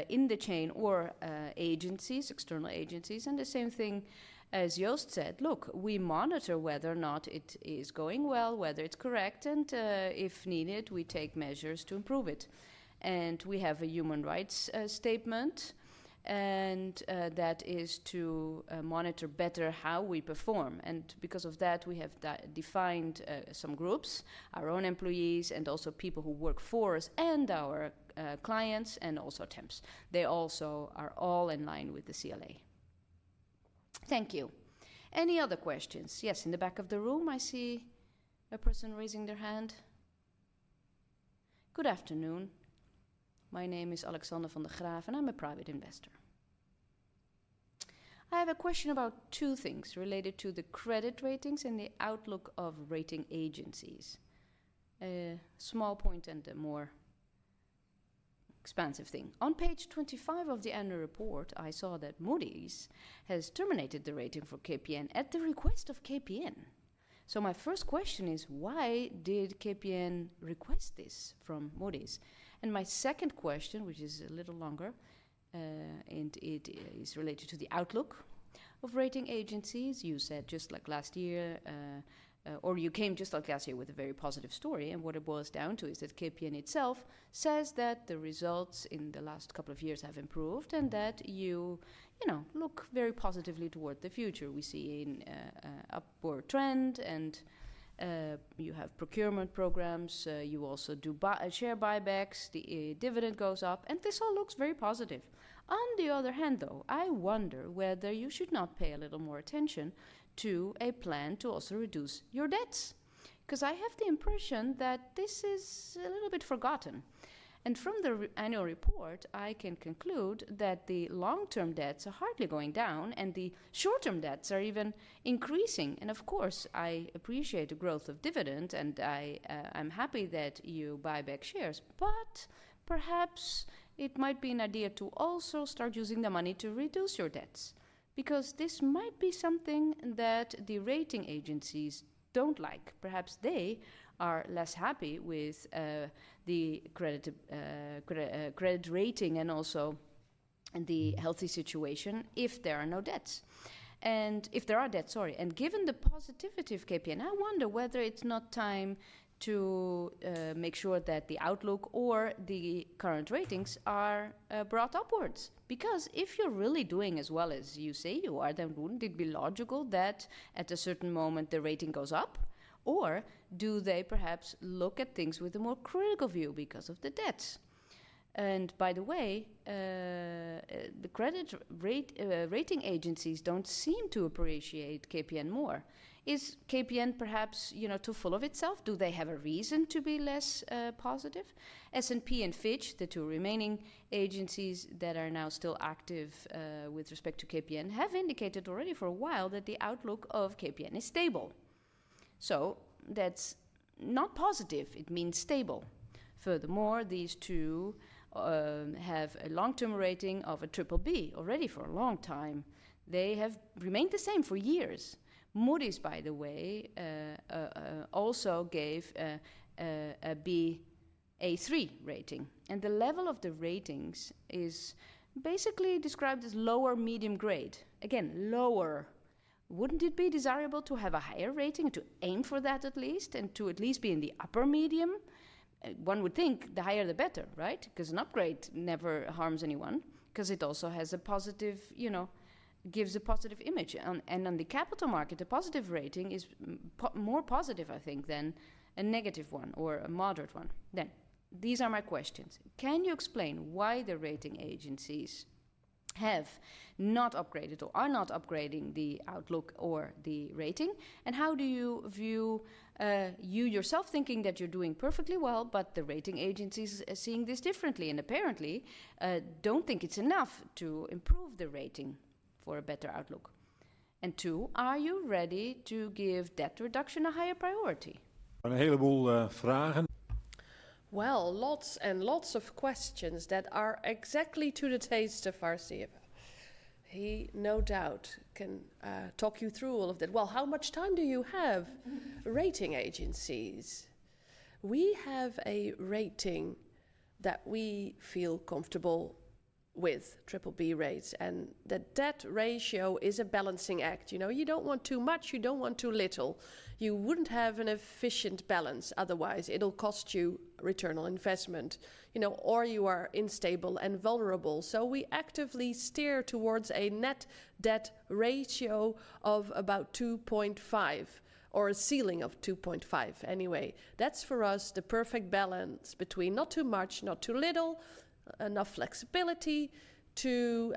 in the chain or agencies, external agencies. The same thing as Joost said, look, we monitor whether or not it is going well, whether it is correct, and if needed, we take measures to improve it. We have a human rights statement, and that is to monitor better how we perform. Because of that, we have defined some groups, our own employees, and also people who work for us and our clients and also temps. They also are all in line with the CLA. Thank you. Any other questions? Yes, in the back of the room, I see a person raising their hand. Good afternoon. My name is Alexander van der Graaf, and I am a private investor. I have a question about two things related to the credit ratings and the outlook of rating agencies. Small point and a more expansive thing. On page 25 of the annual report, I saw that Moody's has terminated the rating for KPN at the request of KPN. My first question is, why did KPN request this from Moody's? My second question, which is a little longer, and it is related to the outlook of rating agencies. You said just like last year, or you came just like last year with a very positive story. What it boils down to is that KPN itself says that the results in the last couple of years have improved and that you look very positively toward the future. We see an upward trend, and you have procurement programs. You also do share buybacks. The dividend goes up, and this all looks very positive. On the other hand, though, I wonder whether you should not pay a little more attention to a plan to also reduce your debts because I have the impression that this is a little bit forgotten. From the annual report, I can conclude that the long-term debts are hardly going down, and the short-term debts are even increasing. Of course, I appreciate the growth of dividends, and I'm happy that you buy back shares, but perhaps it might be an idea to also start using the money to reduce your debts because this might be something that the rating agencies don't like. Perhaps they are less happy with the credit rating and also the healthy situation if there are no debts. If there are debts, sorry. Given the positivity of KPN, I wonder whether it's not time to make sure that the outlook or the current ratings are brought upwards because if you're really doing as well as you say you are, then wouldn't it be logical that at a certain moment the rating goes up? Do they perhaps look at things with a more critical view because of the debts? By the way, the credit rating agencies don't seem to appreciate KPN more. Is KPN perhaps too full of itself? Do they have a reason to be less positive? S&P and Fitch, the two remaining agencies that are now still active with respect to KPN, have indicated already for a while that the outlook of KPN is stable. That's not positive. It means stable. Furthermore, these two have a long-term rating of a BBB already for a long time. They have remained the same for years. Moody's, by the way, also gave a Ba3 rating. The level of the ratings is basically described as lower medium grade. Again, lower. Wouldn't it be desirable to have a higher rating, to aim for that at least, and to at least be in the upper medium? One would think the higher, the better, right? Because an upgrade never harms anyone because it also gives a positive image. On the Capital Market, a positive rating is more positive, I think, than a negative one or a moderate one. These are my questions. Can you explain why the rating agencies have not upgraded or are not upgrading the outlook or the rating? How do you view you yourself thinking that you're doing perfectly well, but the rating agencies are seeing this differently and apparently don't think it's enough to improve the rating for a better outlook? Two, are you ready to give debt reduction a higher priority? Een heleboel vragen. Lots and lots of questions that are exactly to the taste of our CFO. He no doubt can talk you through all of that. How much time do you have? Rating agencies. We have a rating that we feel comfortable with, triple B rates, and that debt ratio is a balancing act. You don't want too much. You don't want too little. You wouldn't have an efficient balance otherwise. It'll cost you return on investment, or you are unstable and vulnerable. We actively steer towards a net debt ratio of about 2.5 or a ceiling of 2.5. Anyway, that's for us the perfect balance between not too much, not too little, enough flexibility to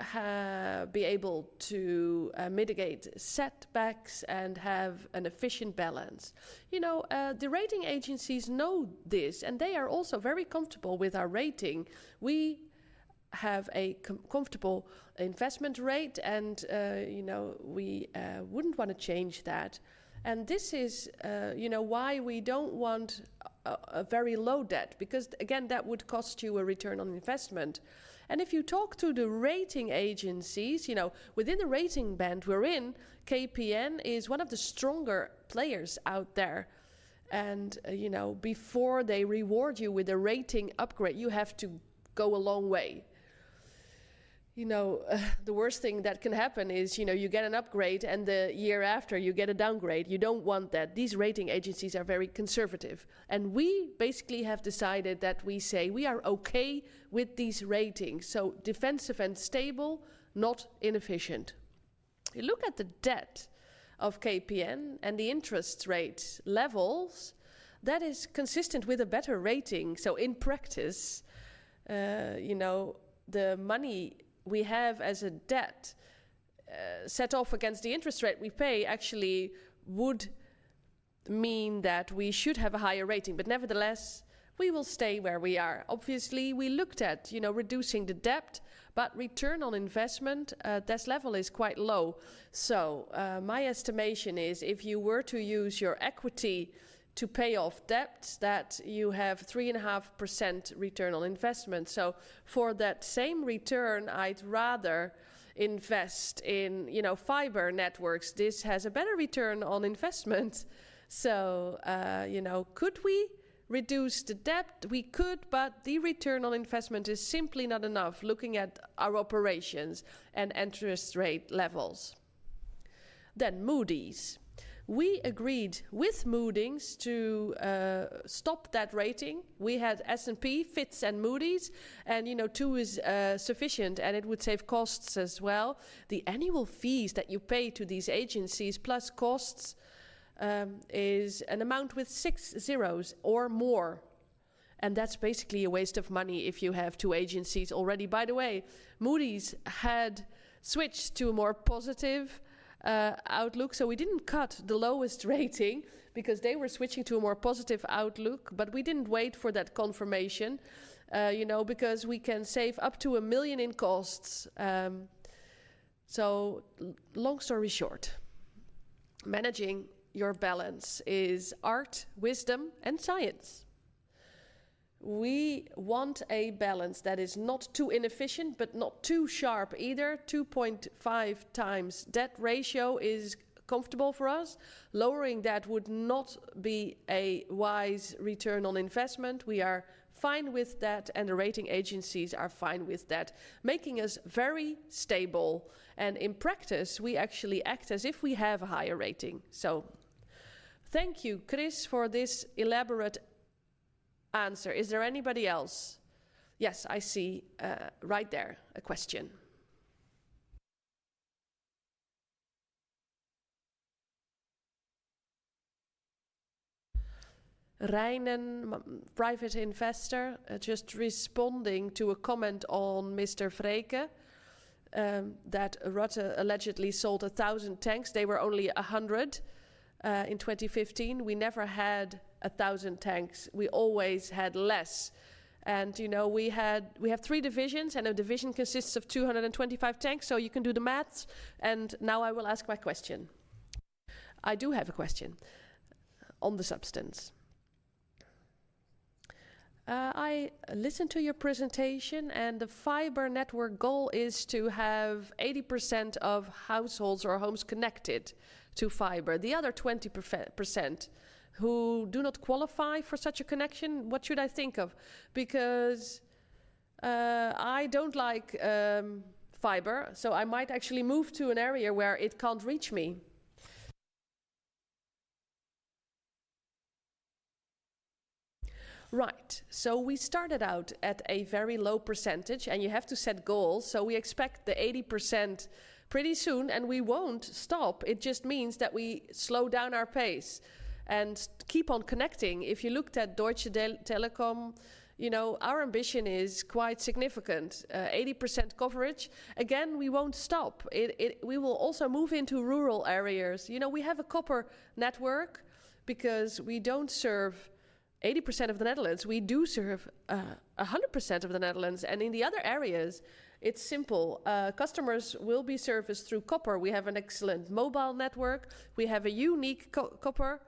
be able to mitigate setbacks and have an efficient balance. The rating agencies know this, and they are also very comfortable with our rating. We have a comfortable investment rate, and we wouldn't want to change that. This is why we don't want a very low debt because, again, that would cost you a return on investment. If you talk to the rating agencies, within the rating band we're in, KPN is one of the stronger players out there. Before they reward you with a rating upgrade, you have to go a long way. The worst thing that can happen is you get an upgrade, and the year after, you get a downgrade. You don't want that. These rating agencies are very conservative. We basically have decided that we say we are okay with these ratings. Defensive and stable, not inefficient. You look at the debt of KPN and the interest rate levels, that is consistent with a better rating. In practice, the money we have as a debt set off against the interest rate we pay actually would mean that we should have a higher rating. Nevertheless, we will stay where we are. Obviously, we looked at reducing the debt, but return on investment, that level is quite low. My estimation is if you were to use your equity to pay off debts, that you have 3.5% return on investment. For that same return, I'd rather invest in fiber networks. This has a better return on investment. Could we reduce the debt? We could, but the return on investment is simply not enough looking at our operations and interest rate levels. Moody's. We agreed with Moody's to stop that rating. We had S&P, Fitch, and Moody's, and two is sufficient, and it would save costs as well. The annual fees that you pay to these agencies plus costs is an amount with six zeros or more. That's basically a waste of money if you have two agencies already. By the way, Moody's had switched to a more positive outlook. We didn't cut the lowest rating because they were switching to a more positive outlook, but we didn't wait for that confirmation because we can save up to 1 million in costs. Long story short, managing your balance is art, wisdom, and science. We want a balance that is not too inefficient, but not too sharp either. 2.5 times debt ratio is comfortable for us. Lowering that would not be a wise return on investment. We are fine with that, and the rating agencies are fine with that, making us very stable. In practice, we actually act as if we have a higher rating. Thank you, Chris, for this elaborate answer. Is there anybody else? Yes, I see right there a question. Rijnen, private investor, just responding to a comment on Mr. Freyke that Rutte allegedly sold 1,000 tanks. They were only 100 in 2015. We never had 1,000 tanks. We always had less. We have three divisions, and a division consists of 225 tanks. You can do the math. Now I will ask my question. I do have a question on the substance. I listened to your presentation, and the fiber network goal is to have 80% of households or homes connected to fiber. The other 20% who do not qualify for such a connection, what should I think of? Because I do not like fiber, so I might actually move to an area where it cannot reach me. Right. We started out at a very low percentage, and you have to set goals. We expect the 80% pretty soon, and we will not stop. It just means that we slow down our pace and keep on connecting. If you looked at Deutsche Telekom, our ambition is quite significant: 80% coverage. Again, we will not stop. We will also move into rural areas. We have a copper network because we do not serve 80% of the Netherlands. We do serve 100% of the Netherlands. In the other areas, it is simple. Customers will be serviced through copper. We have an excellent mobile network. We have a unique copper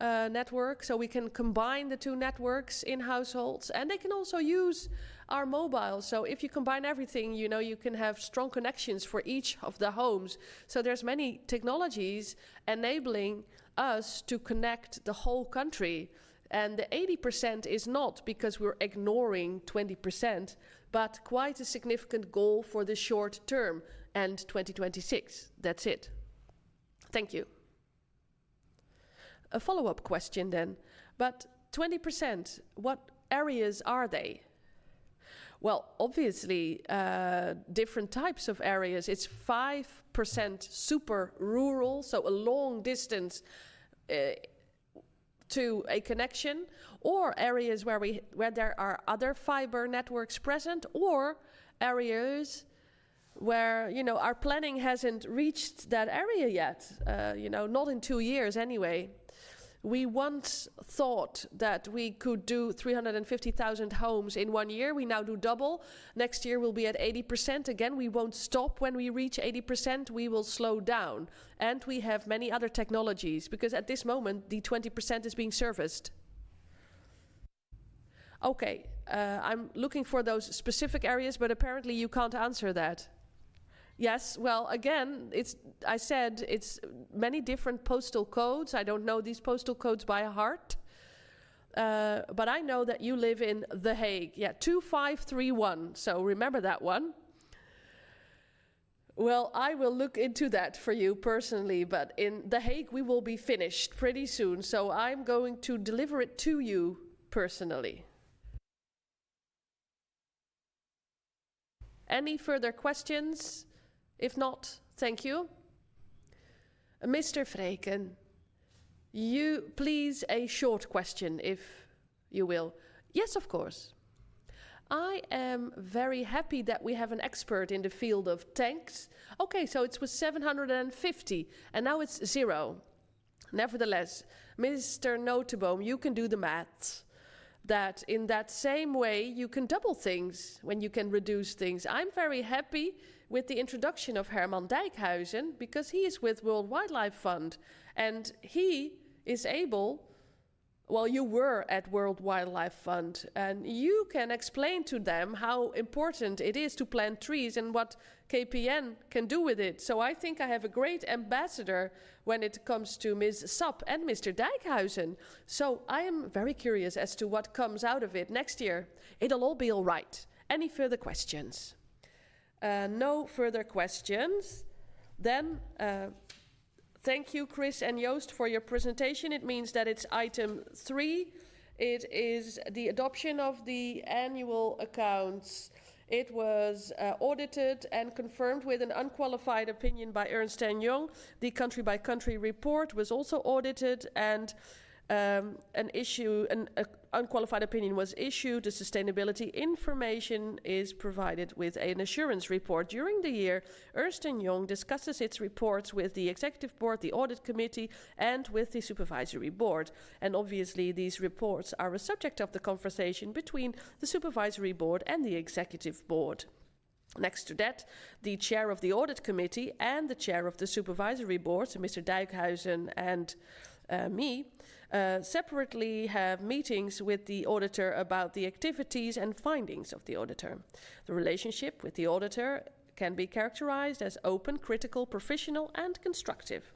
network. We can combine the two networks in households, and they can also use our mobile. If you combine everything, you can have strong connections for each of the homes. There are many technologies enabling us to connect the whole country. The 80% is not because we're ignoring 20%, but quite a significant goal for the short term and 2026. That's it. Thank you. A follow-up question then. That 20%, what areas are they? Obviously, different types of areas. It's 5% super rural, so a long distance to a connection, or areas where there are other fiber networks present, or areas where our planning hasn't reached that area yet, not in two years anyway. We once thought that we could do 350,000 homes in one year. We now do double. Next year, we'll be at 80% again. We won't stop. When we reach 80%, we will slow down. We have many other technologies because at this moment, the 20% is being serviced. Okay. I'm looking for those specific areas, but apparently, you can't answer that. Yes. Again, I said it's many different postal codes. I don't know these postal codes by heart, but I know that you live in The Hague. Yeah, 2531. Remember that one. I will look into that for you personally, but in The Hague, we will be finished pretty soon. I'm going to deliver it to you personally. Any further questions? If not, thank you. Mr. Vreken, please a short question if you will. Yes, of course. I am very happy that we have an expert in the field of tanks. Okay. It was 750, and now it's zero. Nevertheless, Mr. Noteboom, you can do the math that in that same way, you can double things when you can reduce things. I'm very happy with the introduction of Herman Dijkhuizen because he is with World Wildlife Fund, and he is able while you were at World Wildlife Fund, and you can explain to them how important it is to plant trees and what KPN can do with it. I think I have a great ambassador when it comes to Ms. Sap and Mr. Dijkhuizen. I am very curious as to what comes out of it next year. It'll all be all right. Any further questions? No further questions. Thank you, Chris and Joost, for your presentation. It means that it's item three. It is the adoption of the annual accounts. It was audited and confirmed with an unqualified opinion by Ernst & Young. The country-by-country report was also audited, and an unqualified opinion was issued. The sustainability information is provided with an assurance report during the year. Ernst & Young discusses its reports with the Executive Board, the audit committee, and with the Supervisory Board. Obviously, these reports are a subject of the conversation between the Supervisory Board and the Executive Board. Next to that, the chair of the audit committee and the chair of the Supervisory Board, so Mr. Dijkhuizen and me, separately have meetings with the auditor about the activities and findings of the auditor. The relationship with the auditor can be characterized as open, critical, professional, and constructive.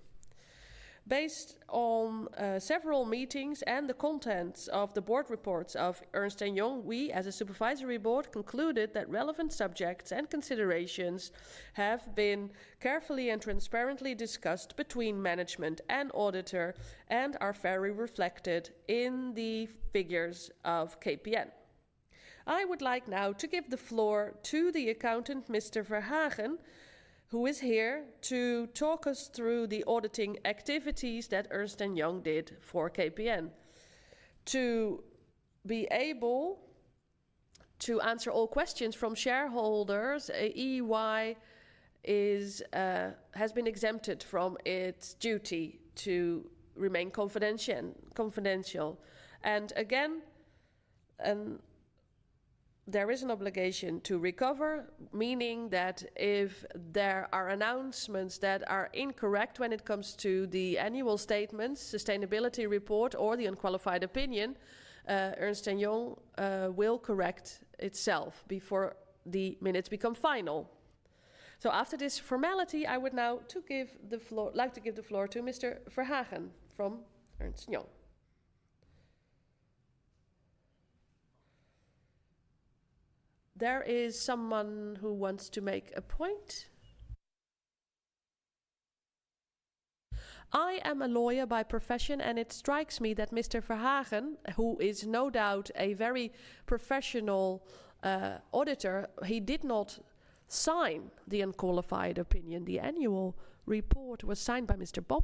Based on several meetings and the contents of the board reports of Ernst & Young, we as a Supervisory Board concluded that relevant subjects and considerations have been carefully and transparently discussed between management and auditor and are fairly reflected in the figures of KPN. I would like now to give the floor to the accountant, Mr. Verhagen, who is here to talk us through the auditing activities that Ernst & Young did for KPN. To be able to answer all questions from shareholders, EY has been exempted from its duty to remain confidential. Again, there is an obligation to recover, meaning that if there are announcements that are incorrect when it comes to the annual statements, sustainability report, or the unqualified opinion, Ernst & Young will correct itself before the minutes become final. After this formality, I would now like to give the floor to Mr. Verhagen from Ernst & Young. There is someone who wants to make a point. I am a lawyer by profession, and it strikes me that Mr. Verhagen, who is no doubt a very professional auditor, he did not sign the unqualified opinion. The annual report was signed by Mr. Bom,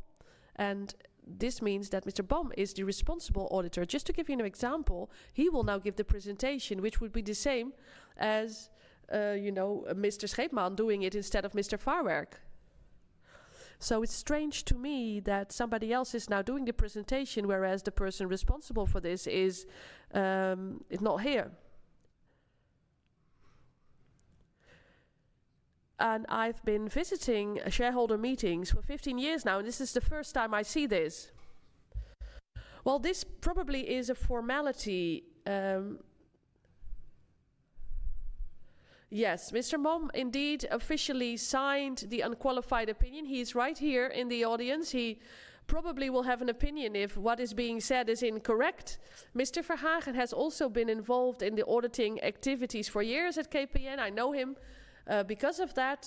and this means that Mr. Bom is the responsible auditor. Just to give you an example, he will now give the presentation, which would be the same as Mr. Scheepman doing it instead of Mr. Farwerck. It is strange to me that somebody else is now doing the presentation, whereas the person responsible for this is not here. I have been visiting shareholder meetings for 15 years now, and this is the first time I see this. This probably is a formality. Yes, Mr. Maum indeed officially signed the unqualified opinion. He is right here in the audience. He probably will have an opinion if what is being said is incorrect. Mr. Verhagen has also been involved in the auditing activities for years at KPN. I know him because of that.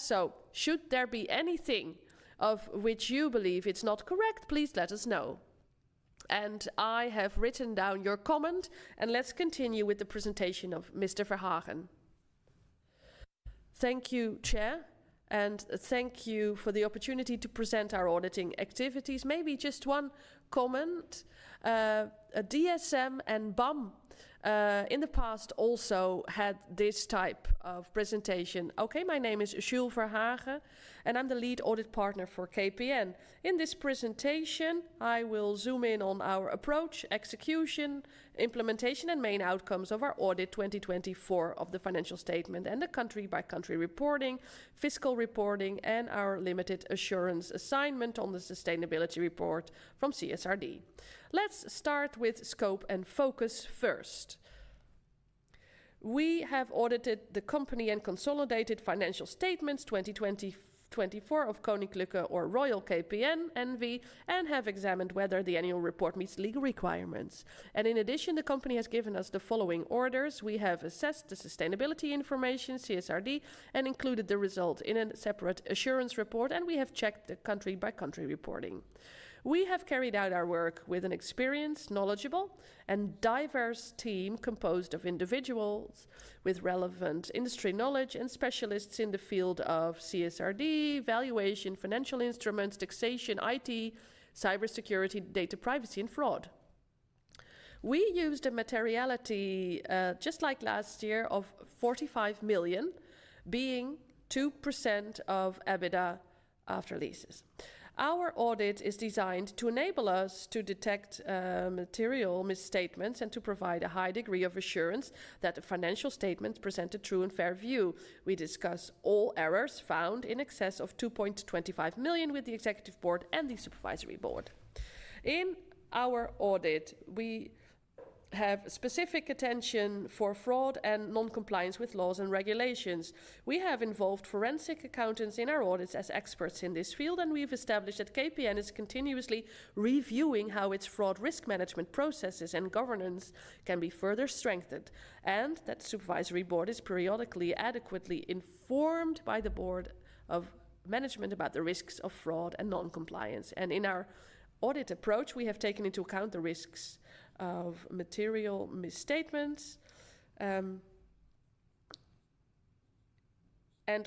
Should there be anything of which you believe it's not correct, please let us know. I have written down your comment, and let's continue with the presentation of Mr. Verhagen. Thank you, Chair, and thank you for the opportunity to present our auditing activities. Maybe just one comment. DSM and Bom in the past also had this type of presentation. Okay, my name is Jules Verhagen, and I'm the lead audit partner for KPN. In this presentation, I will zoom in on our approach, execution, implementation, and main outcomes of our audit 2024 of the financial statement and the country-by-country reporting, fiscal reporting, and our limited assurance assignment on the sustainability report from CSRD. Let's start with scope and focus first. We have audited the company and consolidated financial statements 2024 of Koninklijke or Royal KPN and have examined whether the annual report meets legal requirements. In addition, the company has given us the following orders. We have assessed the sustainability information, CSRD, and included the result in a separate assurance report, and we have checked the country-by-country reporting. We have carried out our work with an experienced, knowledgeable, and diverse team composed of individuals with relevant industry knowledge and specialists in the field of CSRD, valuation, financial instruments, taxation, IT, cybersecurity, data privacy, and fraud. We used a materiality just like last year of 45 million, being 2% of EBITDA after leases. Our audit is designed to enable us to detect material misstatements and to provide a high degree of assurance that the financial statements present a true and fair view. We discuss all errors found in excess of 2.25 million with the Executive Board and the Supervisory Board. In our audit, we have specific attention for fraud and non-compliance with laws and regulations. We have involved forensic accountants in our audits as experts in this field, and we've established that KPN is continuously reviewing how its fraud risk management processes and governance can be further strengthened, and that the Supervisory Board is periodically adequately informed by the Board of Management about the risks of fraud and non-compliance. In our audit approach, we have taken into account the risks of material misstatements. We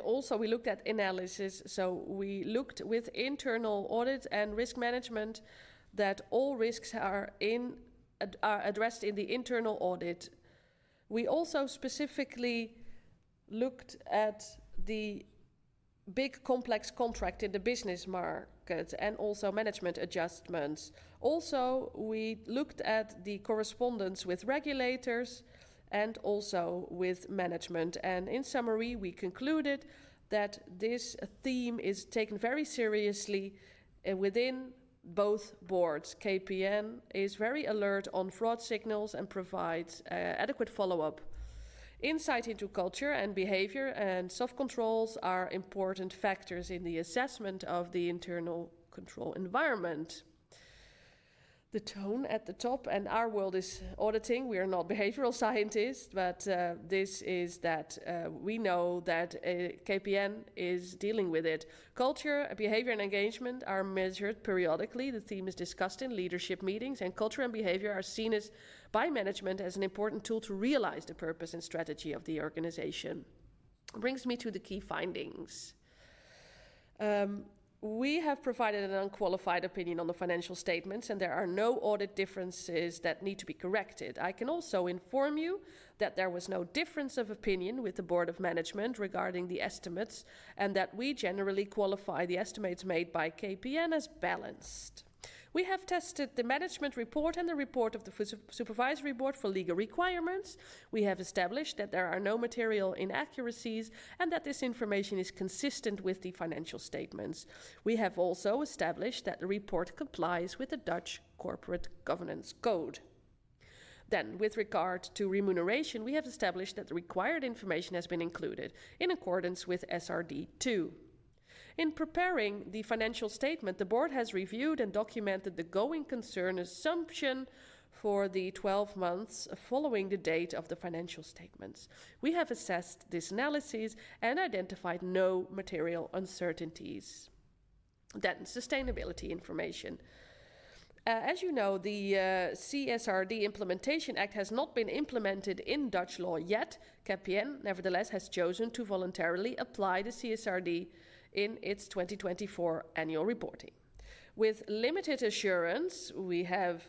also looked at analysis. We looked with internal audit and risk management that all risks are addressed in the internal audit. We also specifically looked at the big complex contract in the business market and also management adjustments. Also, we looked at the correspondence with regulators and also with management. In summary, we concluded that this theme is taken very seriously within both boards. KPN is very alert on fraud signals and provides adequate follow-up. Insight into culture and behavior and soft controls are important factors in the assessment of the internal control environment. The tone at the top and our world is auditing. We are not behavioral scientists, but this is that we know that KPN is dealing with it. Culture, behavior, and engagement are measured periodically. The theme is discussed in leadership meetings, and culture and behavior are seen by management as an important tool to realize the purpose and strategy of the organization. Brings me to the key findings. We have provided an unqualified opinion on the financial statements, and there are no audit differences that need to be corrected. I can also inform you that there was no difference of opinion with the Board of Management regarding the estimates and that we generally qualify the estimates made by KPN as balanced. We have tested the management report and the report of the Supervisory Board for legal requirements. We have established that there are no material inaccuracies and that this information is consistent with the financial statements. We have also established that the report complies with the Dutch corporate governance code. With regard to remuneration, we have established that the required information has been included in accordance with SRD II. In preparing the financial statement, the Board has reviewed and documented the going concern assumption for the 12 months following the date of the financial statements. We have assessed this analysis and identified no material uncertainties. Sustainability information. As you know, the CSRD Implementation Act has not been implemented in Dutch law yet. KPN, nevertheless, has chosen to voluntarily apply the CSRD in its 2024 annual reporting. With limited assurance, we have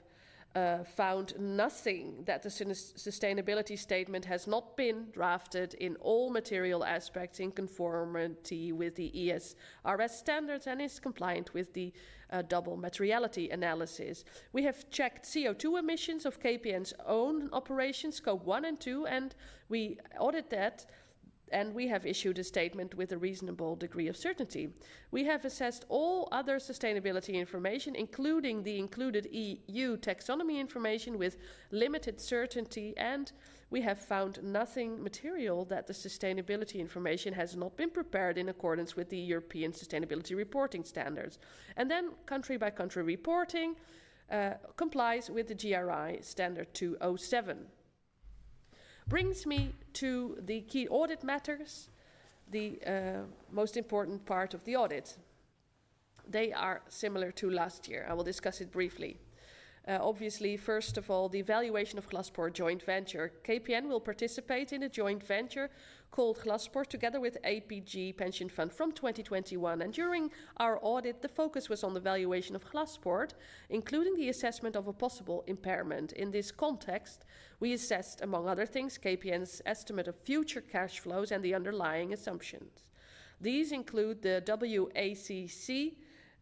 found nothing that the sustainability statement has not been drafted in all material aspects in conformity with the ESRS standards and is compliant with the double materiality analysis. We have checked CO2 emissions of KPN's own operations, scope one and two, and we audit that, and we have issued a statement with a reasonable degree of certainty. We have assessed all other sustainability information, including the included EU taxonomy information with limited certainty, and we have found nothing material that the sustainability information has not been prepared in accordance with the European sustainability reporting standards. Country-by-country reporting complies with the GRI standard 207. Brings me to the key audit matters, the most important part of the audit. They are similar to last year. I will discuss it briefly. Obviously, first of all, the valuation of Glaspoort Joint Venture. KPN will participate in a joint venture called Glaspoort together with APG Pension Fund from 2021. During our audit, the focus was on the valuation of Glaspoort, including the assessment of a possible impairment. In this context, we assessed, among other things, KPN's estimate of future cash flows and the underlying assumptions. These include the WACC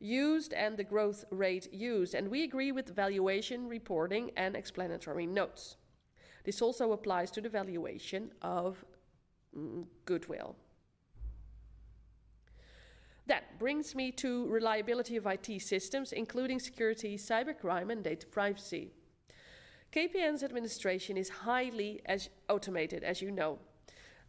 used and the growth rate used, and we agree with valuation reporting and explanatory notes. This also applies to the valuation of goodwill. That brings me to reliability of IT systems, including security, cybercrime, and data privacy. KPN's administration is highly automated, as you know,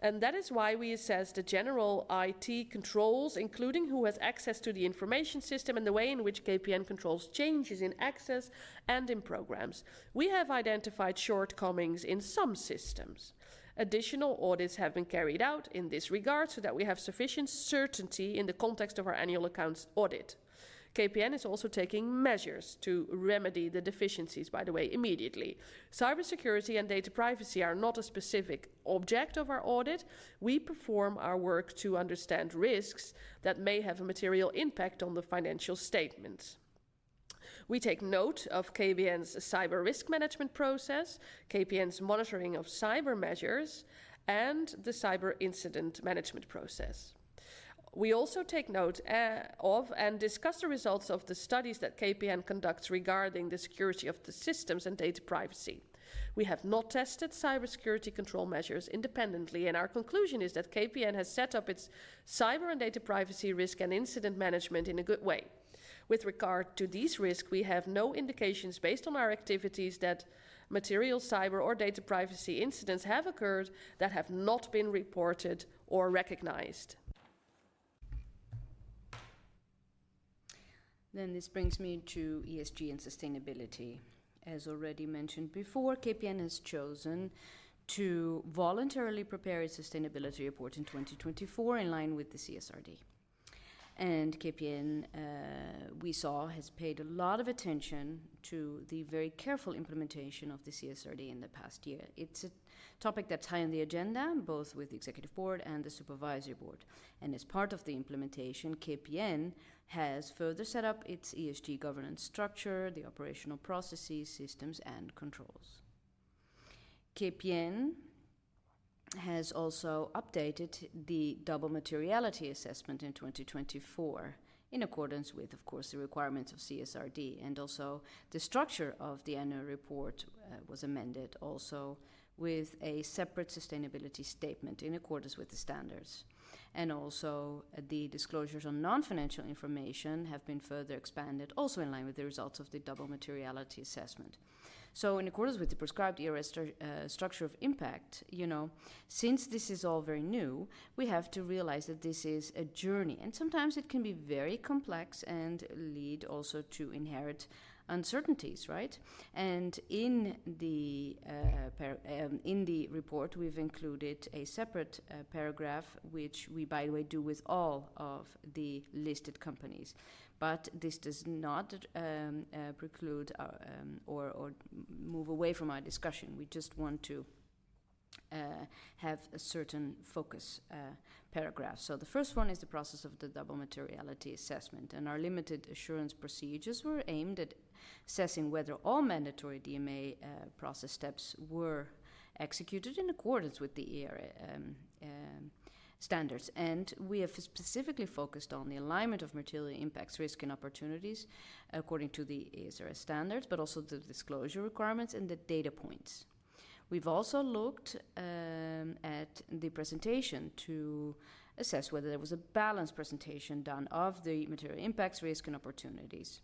and that is why we assess the general IT controls, including who has access to the information system and the way in which KPN controls changes in access and in programs. We have identified shortcomings in some systems. Additional audits have been carried out in this regard so that we have sufficient certainty in the context of our annual accounts audit. KPN is also taking measures to remedy the deficiencies, by the way, immediately. Cybersecurity and data privacy are not a specific object of our audit. We perform our work to understand risks that may have a material impact on the financial statements. We take note of KPN's cyber risk management process, KPN's monitoring of cyber measures, and the cyber incident management process. We also take note of and discuss the results of the studies that KPN conducts regarding the security of the systems and data privacy. We have not tested cybersecurity control measures independently, and our conclusion is that KPN has set up its cyber and data privacy risk and incident management in a good way. With regard to these risks, we have no indications based on our activities that material cyber or data privacy incidents have occurred that have not been reported or recognized. This brings me to ESG and sustainability. As already mentioned before, KPN has chosen to voluntarily prepare its sustainability report in 2024 in line with the CSRD. KPN, we saw, has paid a lot of attention to the very careful implementation of the CSRD in the past year. It's a topic that's high on the agenda, both with the Executive Board and the Supervisory Board. As part of the implementation, KPN has further set up its ESG governance structure, the operational processes, systems, and controls. KPN has also updated the double materiality assessment in 2024 in accordance with, of course, the requirements of CSRD, and also the structure of the annual report was amended also with a separate sustainability statement in accordance with the standards. Also, the disclosures on non-financial information have been further expanded, also in line with the results of the double materiality assessment. In accordance with the prescribed ESRS structure of impact, you know, since this is all very new, we have to realize that this is a journey, and sometimes it can be very complex and lead also to inherent uncertainties, right? In the report, we've included a separate paragraph, which we, by the way, do with all of the listed companies. This does not preclude or move away from our discussion. We just want to have a certain focus paragraph. The first one is the process of the double materiality assessment, and our limited assurance procedures were aimed at assessing whether all mandatory DMA process steps were executed in accordance with the ESRS standards. We have specifically focused on the alignment of material impacts, risk, and opportunities according to the ESRS standards, but also the disclosure requirements and the data points. We have also looked at the presentation to assess whether there was a balanced presentation done of the material impacts, risk, and opportunities.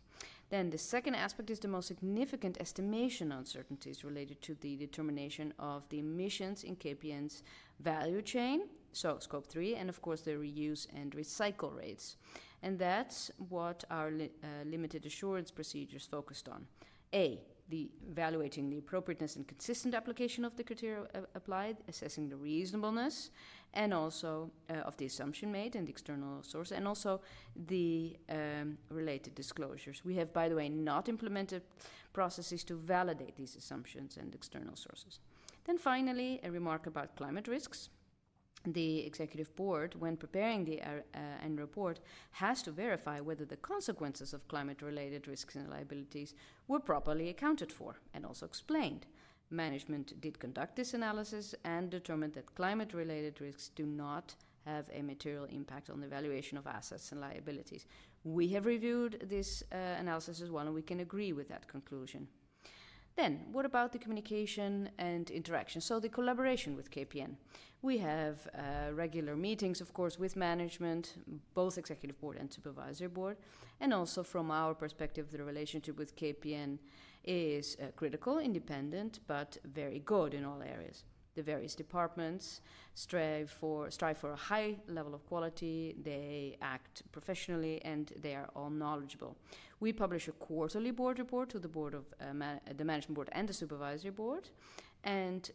The second aspect is the most significant estimation uncertainties related to the determination of the emissions in KPN's value chain, so scope 3, and of course, the reuse and recycle rates. That is what our limited assurance procedures focused on. A, the evaluating the appropriateness and consistent application of the criteria applied, assessing the reasonableness and also of the assumption made and the external source, and also the related disclosures. We have, by the way, not implemented processes to validate these assumptions and external sources. Finally, a remark about climate risks. The Executive Board, when preparing the annual report, has to verify whether the consequences of climate-related risks and liabilities were properly accounted for and also explained. Management did conduct this analysis and determined that climate-related risks do not have a material impact on the valuation of assets and liabilities. We have reviewed this analysis as well, and we can agree with that conclusion. What about the communication and interaction? The collaboration with KPN. We have regular meetings, of course, with management, both Executive Board and Supervisory Board, and also from our perspective, the relationship with KPN is critical, independent, but very good in all areas. The various departments strive for a high level of quality. They act professionally, and they are all knowledgeable. We publish a quarterly board report to the board of the Management Board and the Supervisory Board, and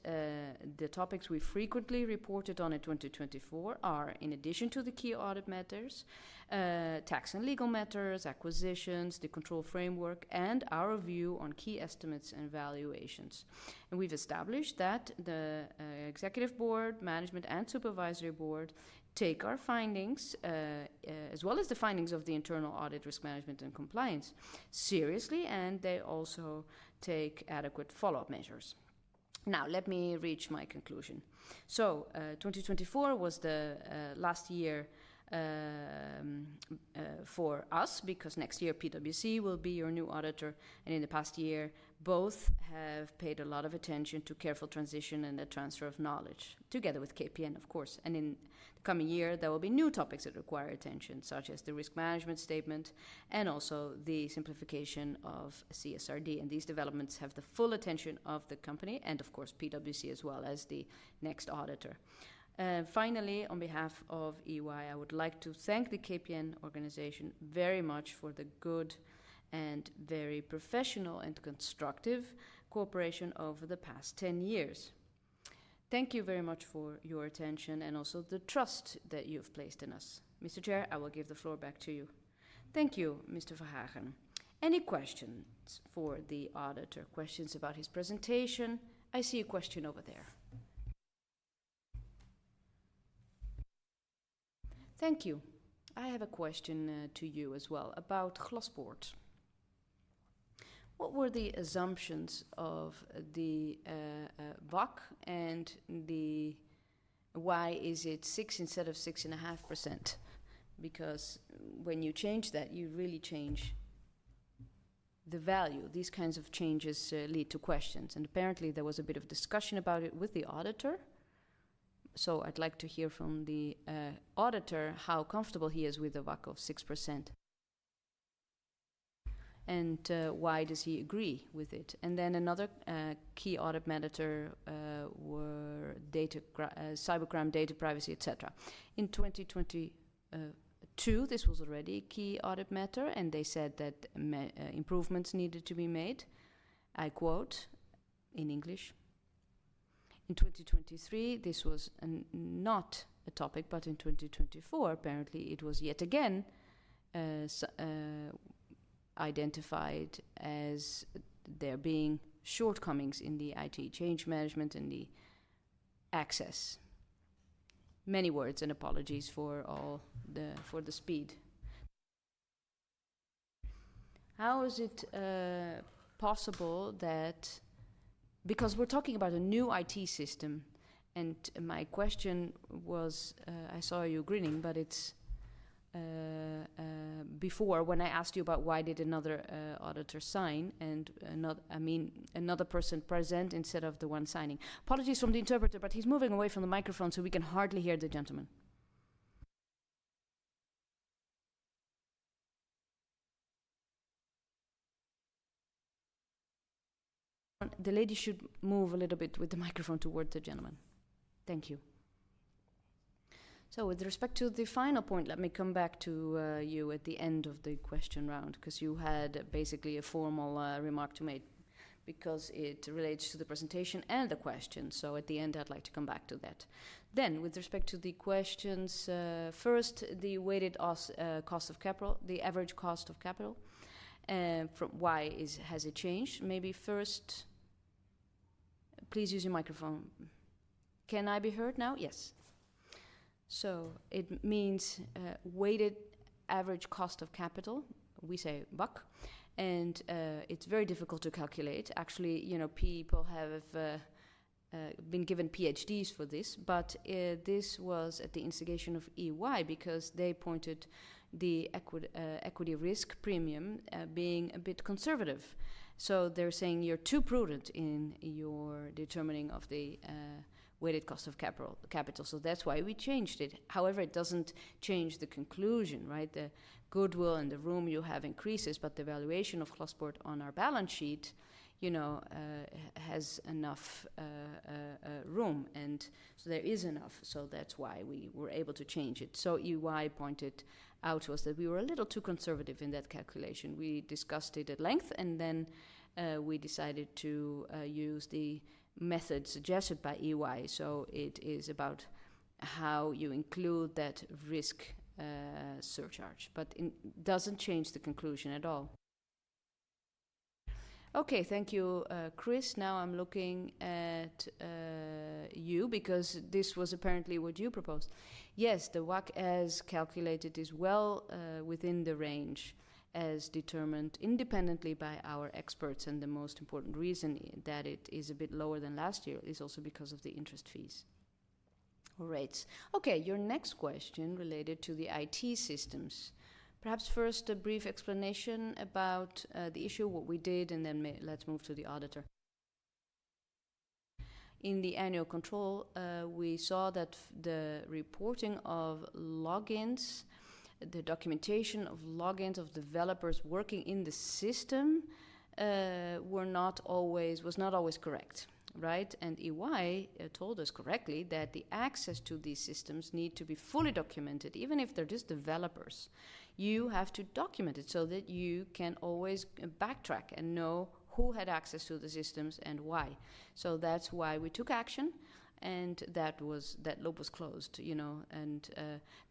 the topics we frequently reported on in 2024 are, in addition to the key audit matters, tax and legal matters, acquisitions, the control framework, and our view on key estimates and valuations. We have established that the Executive Board, management, and Supervisory Board take our findings, as well as the findings of the internal audit, risk management, and compliance, seriously, and they also take adequate follow-up measures. Now, let me reach my conclusion. 2024 was the last year for us because next year, PwC will be your new auditor, and in the past year, both have paid a lot of attention to careful transition and the transfer of knowledge together with KPN, of course. In the coming year, there will be new topics that require attention, such as the risk management statement and also the simplification of CSRD. These developments have the full attention of the company and, of course, PwC as well as the next auditor. Finally, on behalf of EY, I would like to thank the KPN organization very much for the good and very professional and constructive cooperation over the past 10 years. Thank you very much for your attention and also the trust that you have placed in us. Mr. Chair, I will give the floor back to you. Thank you, Mr. Verhagen. Any questions for the auditor? Questions about his presentation? I see a question over there. Thank you. I have a question to you as well about Glaspoort. What were the assumptions of the WACC, and why is it 6 instead of 6.5%? Because when you change that, you really change the value. These kinds of changes lead to questions, and apparently, there was a bit of discussion about it with the auditor. I would like to hear from the auditor how comfortable he is with the WACC of 6% and why does he agree with it. Another key audit matter were cybercrime, data privacy, etc. In 2022, this was already a key audit matter, and they said that improvements needed to be made. I quote in English. In 2023, this was not a topic, but in 2024, apparently, it was yet again identified as there being shortcomings in the IT change management and the access. Many words and apologies for the speed. How is it possible that because we're talking about a new IT system, and my question was, I saw you grinning, but it's before when I asked you about why did another auditor sign, and I mean, another person present instead of the one signing. Apologies from the interpreter, but he's moving away from the microphone so we can hardly hear the gentleman. The lady should move a little bit with the microphone towards the gentleman. Thank you. With respect to the final point, let me come back to you at the end of the question round because you had basically a formal remark to make because it relates to the presentation and the question. At the end, I'd like to come back to that. With respect to the questions, first, the weighted cost of capital, the average cost of capital, why has it changed? Maybe first, please use your microphone. Can I be heard now? Yes. It means weighted average cost of capital. We say WACC, and it's very difficult to calculate. Actually, you know, people have been given PhDs for this, but this was at the instigation of EY because they pointed the equity risk premium being a bit conservative. They're saying you're too prudent in your determining of the weighted cost of capital. That's why we changed it. However, it doesn't change the conclusion, right? The goodwill and the room you have increases, but the valuation of Glaspoort on our balance sheet, you know, has enough room, and so there is enough. That's why we were able to change it. EY pointed out to us that we were a little too conservative in that calculation. We discussed it at length, and then we decided to use the method suggested by EY. It is about how you include that risk surcharge, but it doesn't change the conclusion at all. Okay, thank you, Chris. Now I'm looking at you because this was apparently what you proposed. Yes, the WACC as calculated is well within the range as determined independently by our experts, and the most important reason that it is a bit lower than last year is also because of the interest fees or rates. Okay, your next question related to the IT systems. Perhaps first a brief explanation about the issue, what we did, and then let's move to the auditor. In the annual control, we saw that the reporting of logins, the documentation of logins of developers working in the system was not always correct, right? And EY told us correctly that the access to these systems need to be fully documented, even if they're just developers. You have to document it so that you can always backtrack and know who had access to the systems and why. That's why we took action, and that loop was closed, you know, and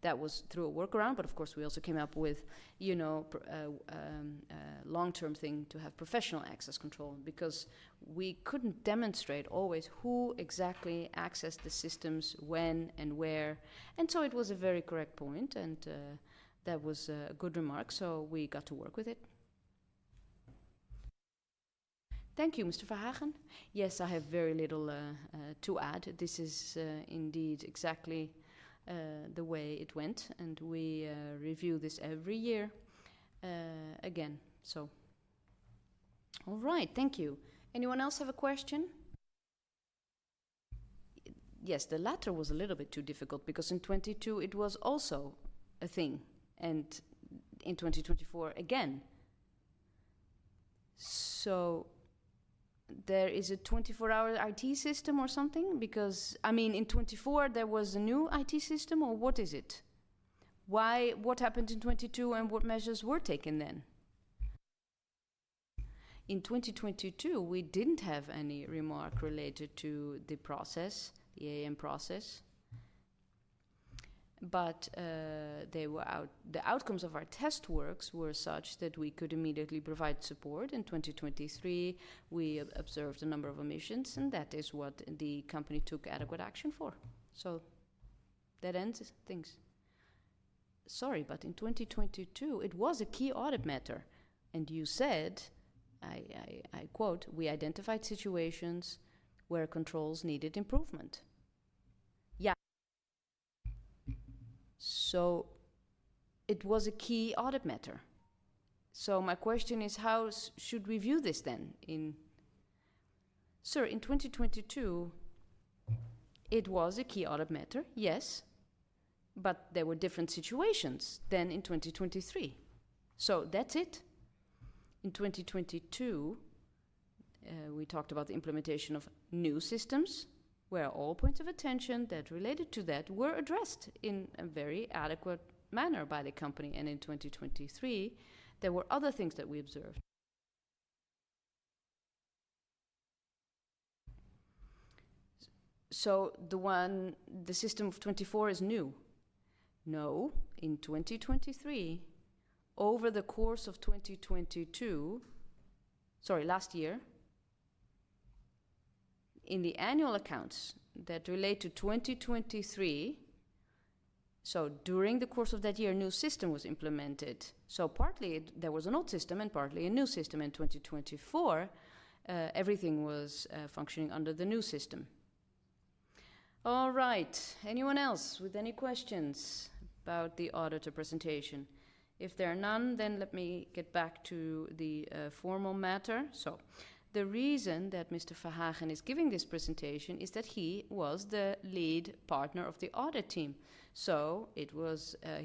that was through a workaround, but of course, we also came up with, you know, a long-term thing to have professional access control because we couldn't demonstrate always who exactly accessed the systems, when and where. It was a very correct point, and that was a good remark, so we got to work with it. Thank you, Mr. Verhagen. Yes, I have very little to add. This is indeed exactly the way it went, and we review this every year again. All right, thank you. Anyone else have a question? Yes, the latter was a little bit too difficult because in 2022, it was also a thing, and in 2024, again. There is a 24-hour IT system or something because, I mean, in 2024, there was a new IT system or what is it? What happened in 2022, and what measures were taken then? In 2022, we did not have any remark related to the process, the IAM process, but the outcomes of our test works were such that we could immediately provide support. In 2023, we observed a number of emissions, and that is what the company took adequate action for. That ends things. Sorry, but in 2022, it was a key audit matter, and you said, I quote, "We identified situations where controls needed improvement." Yeah. It was a key audit matter. My question is, how should we view this then? Sir, in 2022, it was a key audit matter, yes, but there were different situations than in 2023. That is it. In 2022, we talked about the implementation of new systems where all points of attention that related to that were addressed in a very adequate manner by the company, and in 2023, there were other things that we observed. The one, the system of 2024, is new. No, in 2023, over the course of 2022, sorry, last year, in the annual accounts that relate to 2023, during the course of that year, a new system was implemented. Partly, there was an old system, and partly, a new system. In 2024, everything was functioning under the new system. All right. Anyone else with any questions about the auditor presentation? If there are none, let me get back to the formal matter. The reason that Mr. Verhagen is giving this presentation is that he was the lead partner of the audit team. He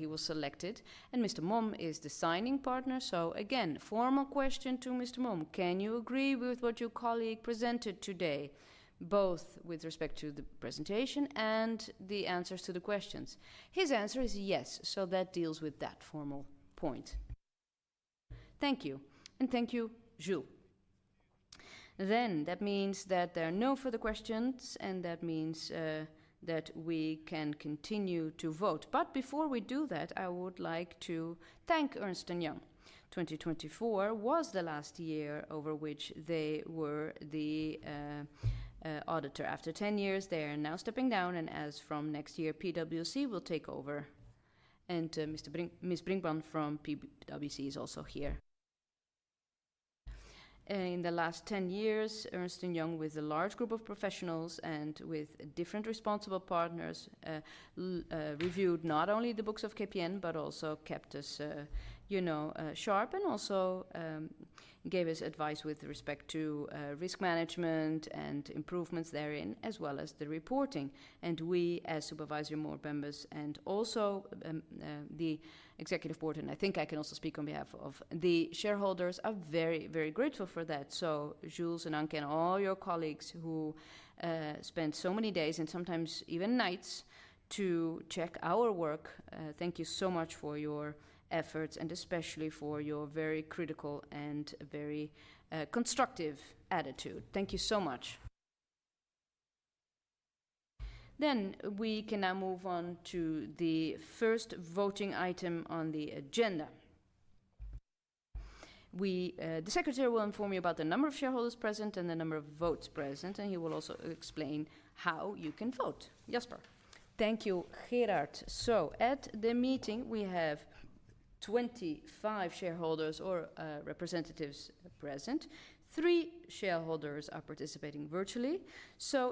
was selected, and Mr. Maum is the signing partner. Again, formal question to Mr. Maum: can you agree with what your colleague presented today, both with respect to the presentation and the answers to the questions? His answer is yes, so that deals with that formal point. Thank you, and thank you, Joe. That means that there are no further questions, and that means that we can continue to vote. Before we do that, I would like to thank Ernst & Young. 2024 was the last year over which they were the auditor. After 10 years, they are now stepping down, and as from next year, PwC will take over, and Ms. Birnbaum from PwC is also here. In the last 10 years, Ernst & Young, with a large group of professionals and with different responsible partners, reviewed not only the books of KPN, but also kept us, you know, sharp and also gave us advice with respect to risk management and improvements therein, as well as the reporting. We, as Supervisory Board members and also the Executive Board, and I think I can also speak on behalf of the shareholders, are very, very grateful for that. Jules and Anken, all your colleagues who spent so many days and sometimes even nights to check our work, thank you so much for your efforts and especially for your very critical and very constructive attitude. Thank you so much. We can now move on to the first voting item on the agenda. The secretary will inform you about the number of shareholders present and the number of votes present, and he will also explain how you can vote. Jasper. Thank you, Gerard. At the meeting, we have 25 shareholders or representatives present. Three shareholders are participating virtually.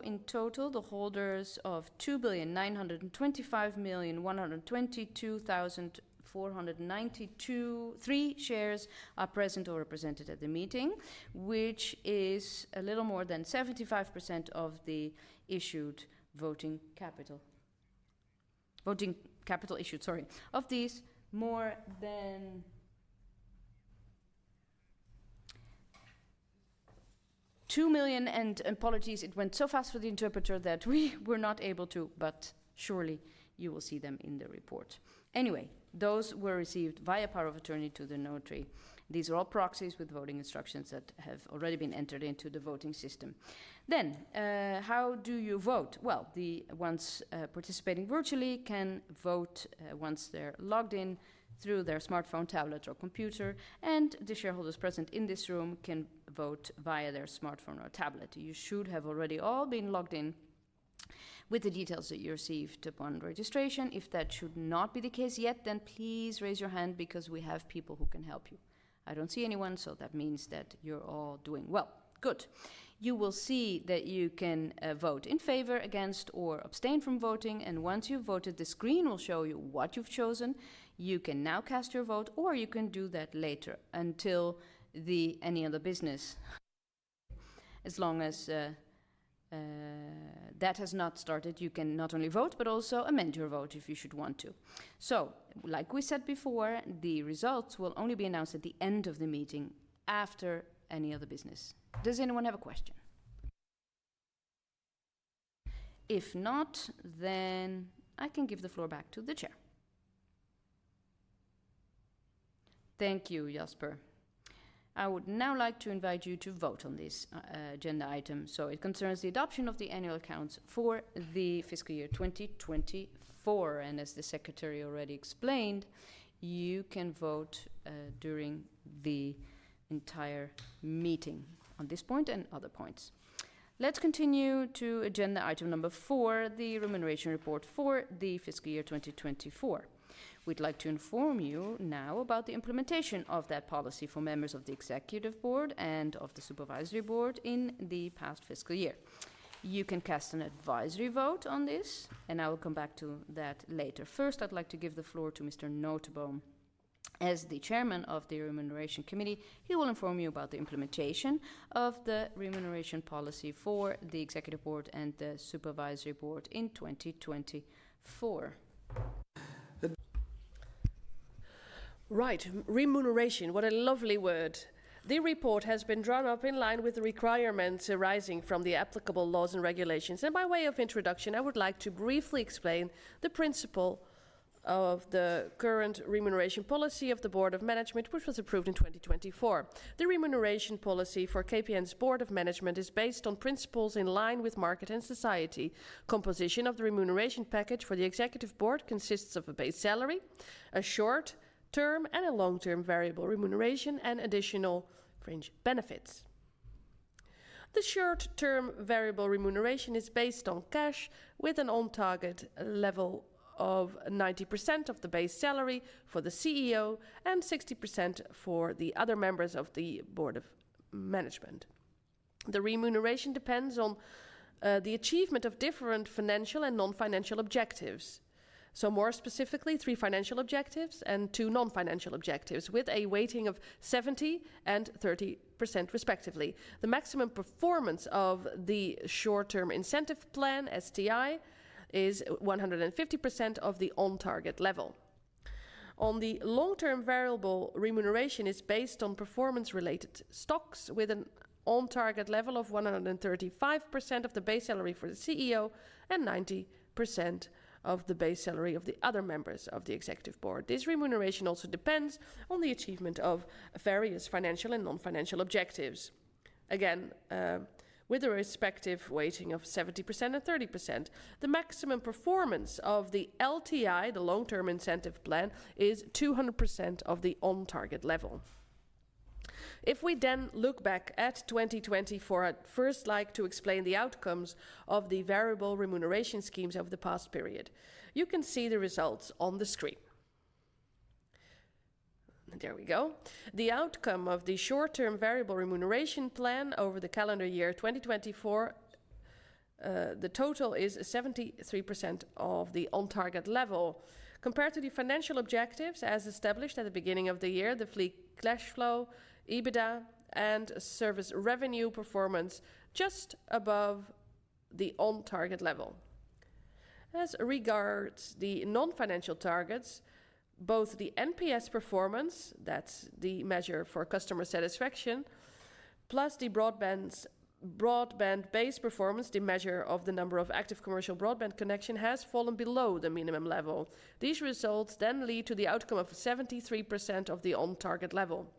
In total, the holders of 2,925,122,492 shares are present or represented at the meeting, which is a little more than 75% of the issued voting capital. Voting capital issued, sorry. Of these, more than 2 million, and apologies, it went so fast for the interpreter that we were not able to, but surely you will see them in the report. Anyway, those were received via power of attorney to the notary. These are all proxies with voting instructions that have already been entered into the voting system. How do you vote? The ones participating virtually can vote once they're logged in through their smartphone, tablet, or computer, and the shareholders present in this room can vote via their smartphone or tablet. You should have already all been logged in with the details that you received upon registration. If that should not be the case yet, then please raise your hand because we have people who can help you. I do not see anyone, so that means that you are all doing well. Good. You will see that you can vote in favor, against, or abstain from voting, and once you have voted, the screen will show you what you have chosen. You can now cast your vote, or you can do that later until the any other business. As long as that has not started, you can not only vote, but also amend your vote if you should want to. Like we said before, the results will only be announced at the end of the meeting after any other business. Does anyone have a question? If not, then I can give the floor back to the Chair. Thank you, Jasper. I would now like to invite you to vote on this agenda item. It concerns the adoption of the annual accounts for the fiscal year 2024, and as the secretary already explained, you can vote during the entire meeting on this point and other points. Let's continue to agenda item number four, the remuneration report for the fiscal year 2024. We'd like to inform you now about the implementation of that policy for members of the Executive Board and of the Supervisory Board in the past fiscal year. You can cast an advisory vote on this, and I will come back to that later. First, I'd like to give the floor to Mr. Noteboom as the Chairman of the Remuneration Committee. He will inform you about the implementation of the remuneration policy for the Executive Board and the Supervisory Board in 2024. Right, remuneration, what a lovely word. The report has been drawn up in line with the requirements arising from the applicable laws and regulations, and by way of introduction, I would like to briefly explain the principle of the current remuneration policy of the Board of Management, which was approved in 2024. The remuneration policy for KPN's Board of Management is based on principles in line with market and society. Composition of the remuneration package for the Executive Board consists of a base salary, a short-term and a long-term variable remuneration, and additional fringe benefits. The short-term variable remuneration is based on cash with an on-target level of 90% of the base salary for the CEO and 60% for the other members of the Board of Management. The remuneration depends on the achievement of different financial and non-financial objectives. More specifically, three financial objectives and two non-financial objectives with a weighting of 70% and 30% respectively. The maximum performance of the short-term incentive plan, STI, is 150% of the on-target level. On the long-term variable remuneration, it is based on performance-related stocks with an on-target level of 135% of the base salary for the CEO and 90% of the base salary of the other members of the Executive Board. This remuneration also depends on the achievement of various financial and non-financial objectives. Again, with a respective weighting of 70% and 30%, the maximum performance of the LTI, the long-term incentive plan, is 200% of the on-target level. If we then look back at 2024, I'd first like to explain the outcomes of the variable remuneration schemes over the past period. You can see the results on the screen. There we go. The outcome of the short-term variable remuneration plan over the calendar year 2024, the total is 73% of the on-target level. Compared to the financial objectives as established at the beginning of the year, the free cash flow, EBITDA, and service revenue performance just above the on-target level. As regards the non-financial targets, both the NPS performance, that's the measure for customer satisfaction, plus the broadband-based performance, the measure of the number of active commercial broadband connections, has fallen below the minimum level. These results then lead to the outcome of 73% of the on-target level.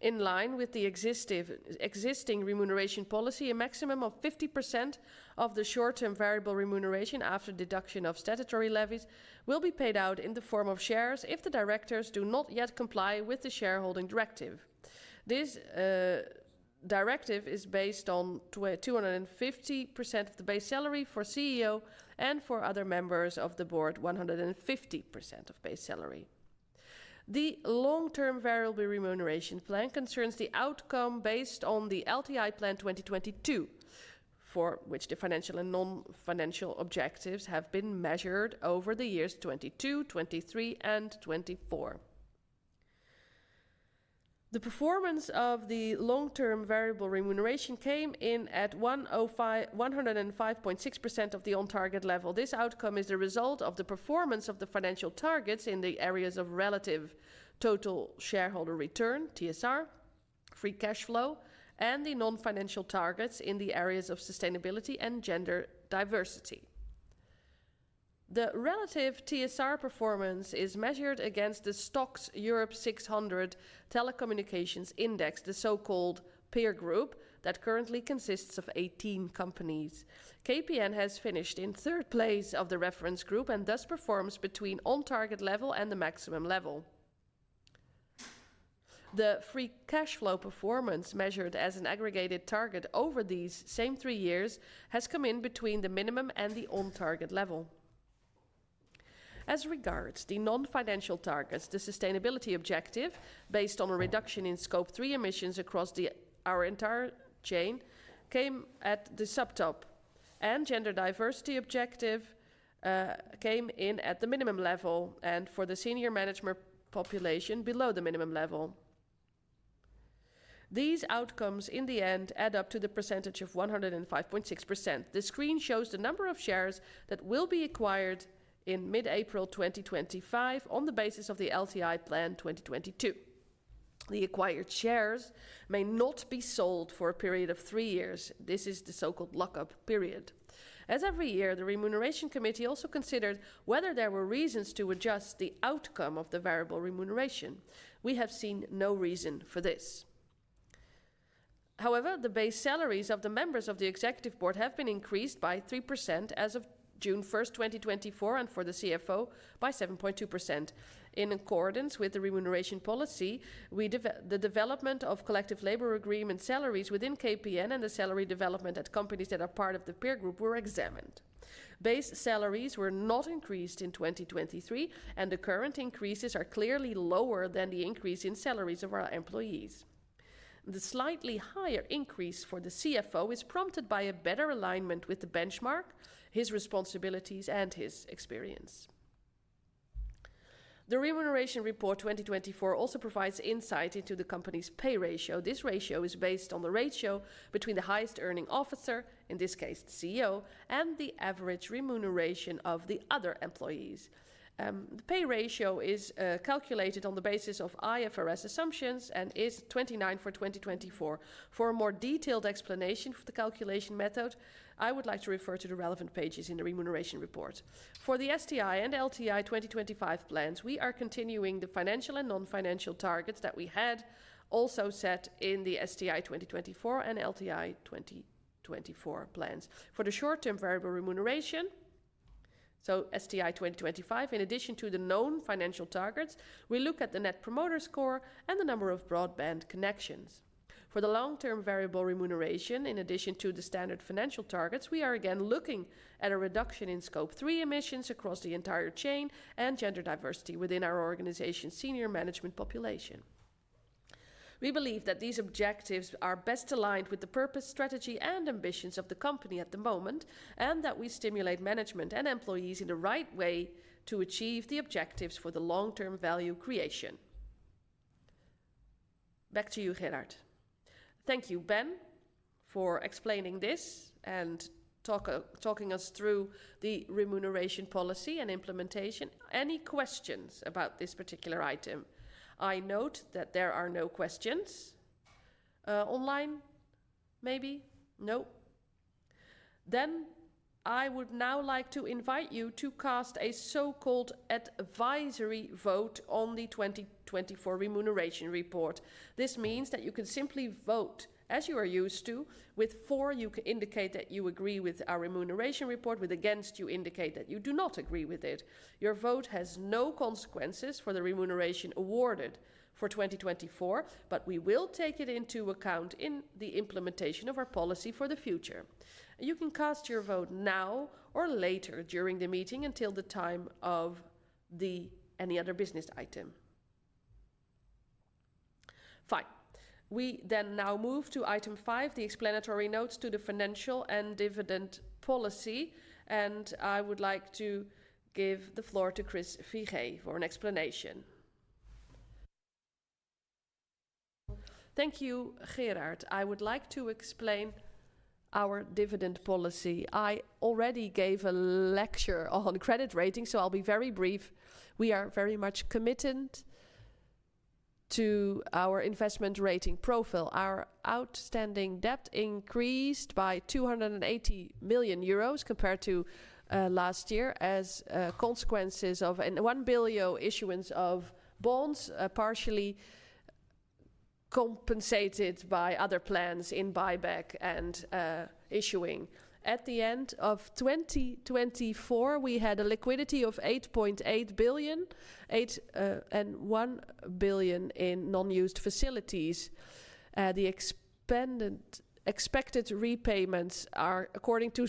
In line with the existing remuneration policy, a maximum of 50% of the short-term variable remuneration after deduction of statutory levies will be paid out in the form of shares if the directors do not yet comply with the shareholding directive. This directive is based on 250% of the base salary for CEO and for other members of the Board, 150% of base salary. The long-term variable remuneration plan concerns the outcome based on the LTI plan 2022, for which the financial and non-financial objectives have been measured over the years 2022, 2023, and 2024. The performance of the long-term variable remuneration came in at 105.6% of the on-target level. This outcome is the result of the performance of the financial targets in the areas of relative total shareholder return, TSR, free cash flow, and the non-financial targets in the areas of sustainability and gender diversity. The relative TSR performance is measured against the STOXX Europe 600 Telecommunications Index, the so-called peer group that currently consists of 18 companies. KPN has finished in third place of the reference group and thus performs between on-target level and the maximum level. The free cash flow performance measured as an aggregated target over these same three years has come in between the minimum and the on-target level. As regards the non-financial targets, the sustainability objective based on a reduction in Scope 3 emissions across our entire chain came at the subtop, and the gender diversity objective came in at the minimum level and for the senior management population below the minimum level. These outcomes in the end add up to the percentage of 105.6%. The screen shows the number of shares that will be acquired in mid-April 2025 on the basis of the LTI plan 2022. The acquired shares may not be sold for a period of three years. This is the so-called lockup period. As every year, the remuneration committee also considered whether there were reasons to adjust the outcome of the variable remuneration. We have seen no reason for this. However, the base salaries of the members of the Executive Board have been increased by 3% as of June 1, 2024, and for the CFO by 7.2%. In accordance with the remuneration policy, the development of collective labor agreement salaries within KPN and the salary development at companies that are part of the peer group were examined. Base salaries were not increased in 2023, and the current increases are clearly lower than the increase in salaries of our employees. The slightly higher increase for the CFO is prompted by a better alignment with the benchmark, his responsibilities, and his experience. The remuneration report 2024 also provides insight into the company's pay ratio. This ratio is based on the ratio between the highest earning officer, in this case the CEO, and the average remuneration of the other employees. The pay ratio is calculated on the basis of IFRS assumptions and is 29 for 2024. For a more detailed explanation of the calculation method, I would like to refer to the relevant pages in the remuneration report. For the STI and LTI 2025 plans, we are continuing the financial and non-financial targets that we had also set in the STI 2024 and LTI 2024 plans. For the short-term variable remuneration, so STI 2025, in addition to the known financial targets, we look at the net promoter score and the number of broadband connections. For the long-term variable remuneration, in addition to the standard financial targets, we are again looking at a reduction in scope 3 emissions across the entire chain and gender diversity within our organization's senior management population. We believe that these objectives are best aligned with the purpose, strategy, and ambitions of the company at the moment and that we stimulate management and employees in the right way to achieve the objectives for the long-term value creation. Back to you, Gerard. Thank you, Ben, for explaining this and talking us through the remuneration policy and implementation. Any questions about this particular item? I note that there are no questions online. Maybe? No? I would now like to invite you to cast a so-called advisory vote on the 2024 remuneration report. This means that you can simply vote as you are used to with four. You can indicate that you agree with our remuneration report, with against you indicate that you do not agree with it. Your vote has no consequences for the remuneration awarded for 2024, but we will take it into account in the implementation of our policy for the future. You can cast your vote now or later during the meeting until the time of the any other business item. Fine. We then now move to item five, the explanatory notes to the financial and dividend policy, and I would like to give the floor to Chris Figee for an explanation. Thank you, Gerard. I would like to explain our dividend policy. I already gave a lecture on credit rating, so I'll be very brief. We are very much committed to our investment rating profile. Our outstanding debt increased by 280 million euros compared to last year as consequences of a 1 billion issuance of bonds partially compensated by other plans in buyback and issuing. At the end of 2024, we had a liquidity of 8.8 billion, 8 billion and 1 billion in non-used facilities. The expected repayments are according to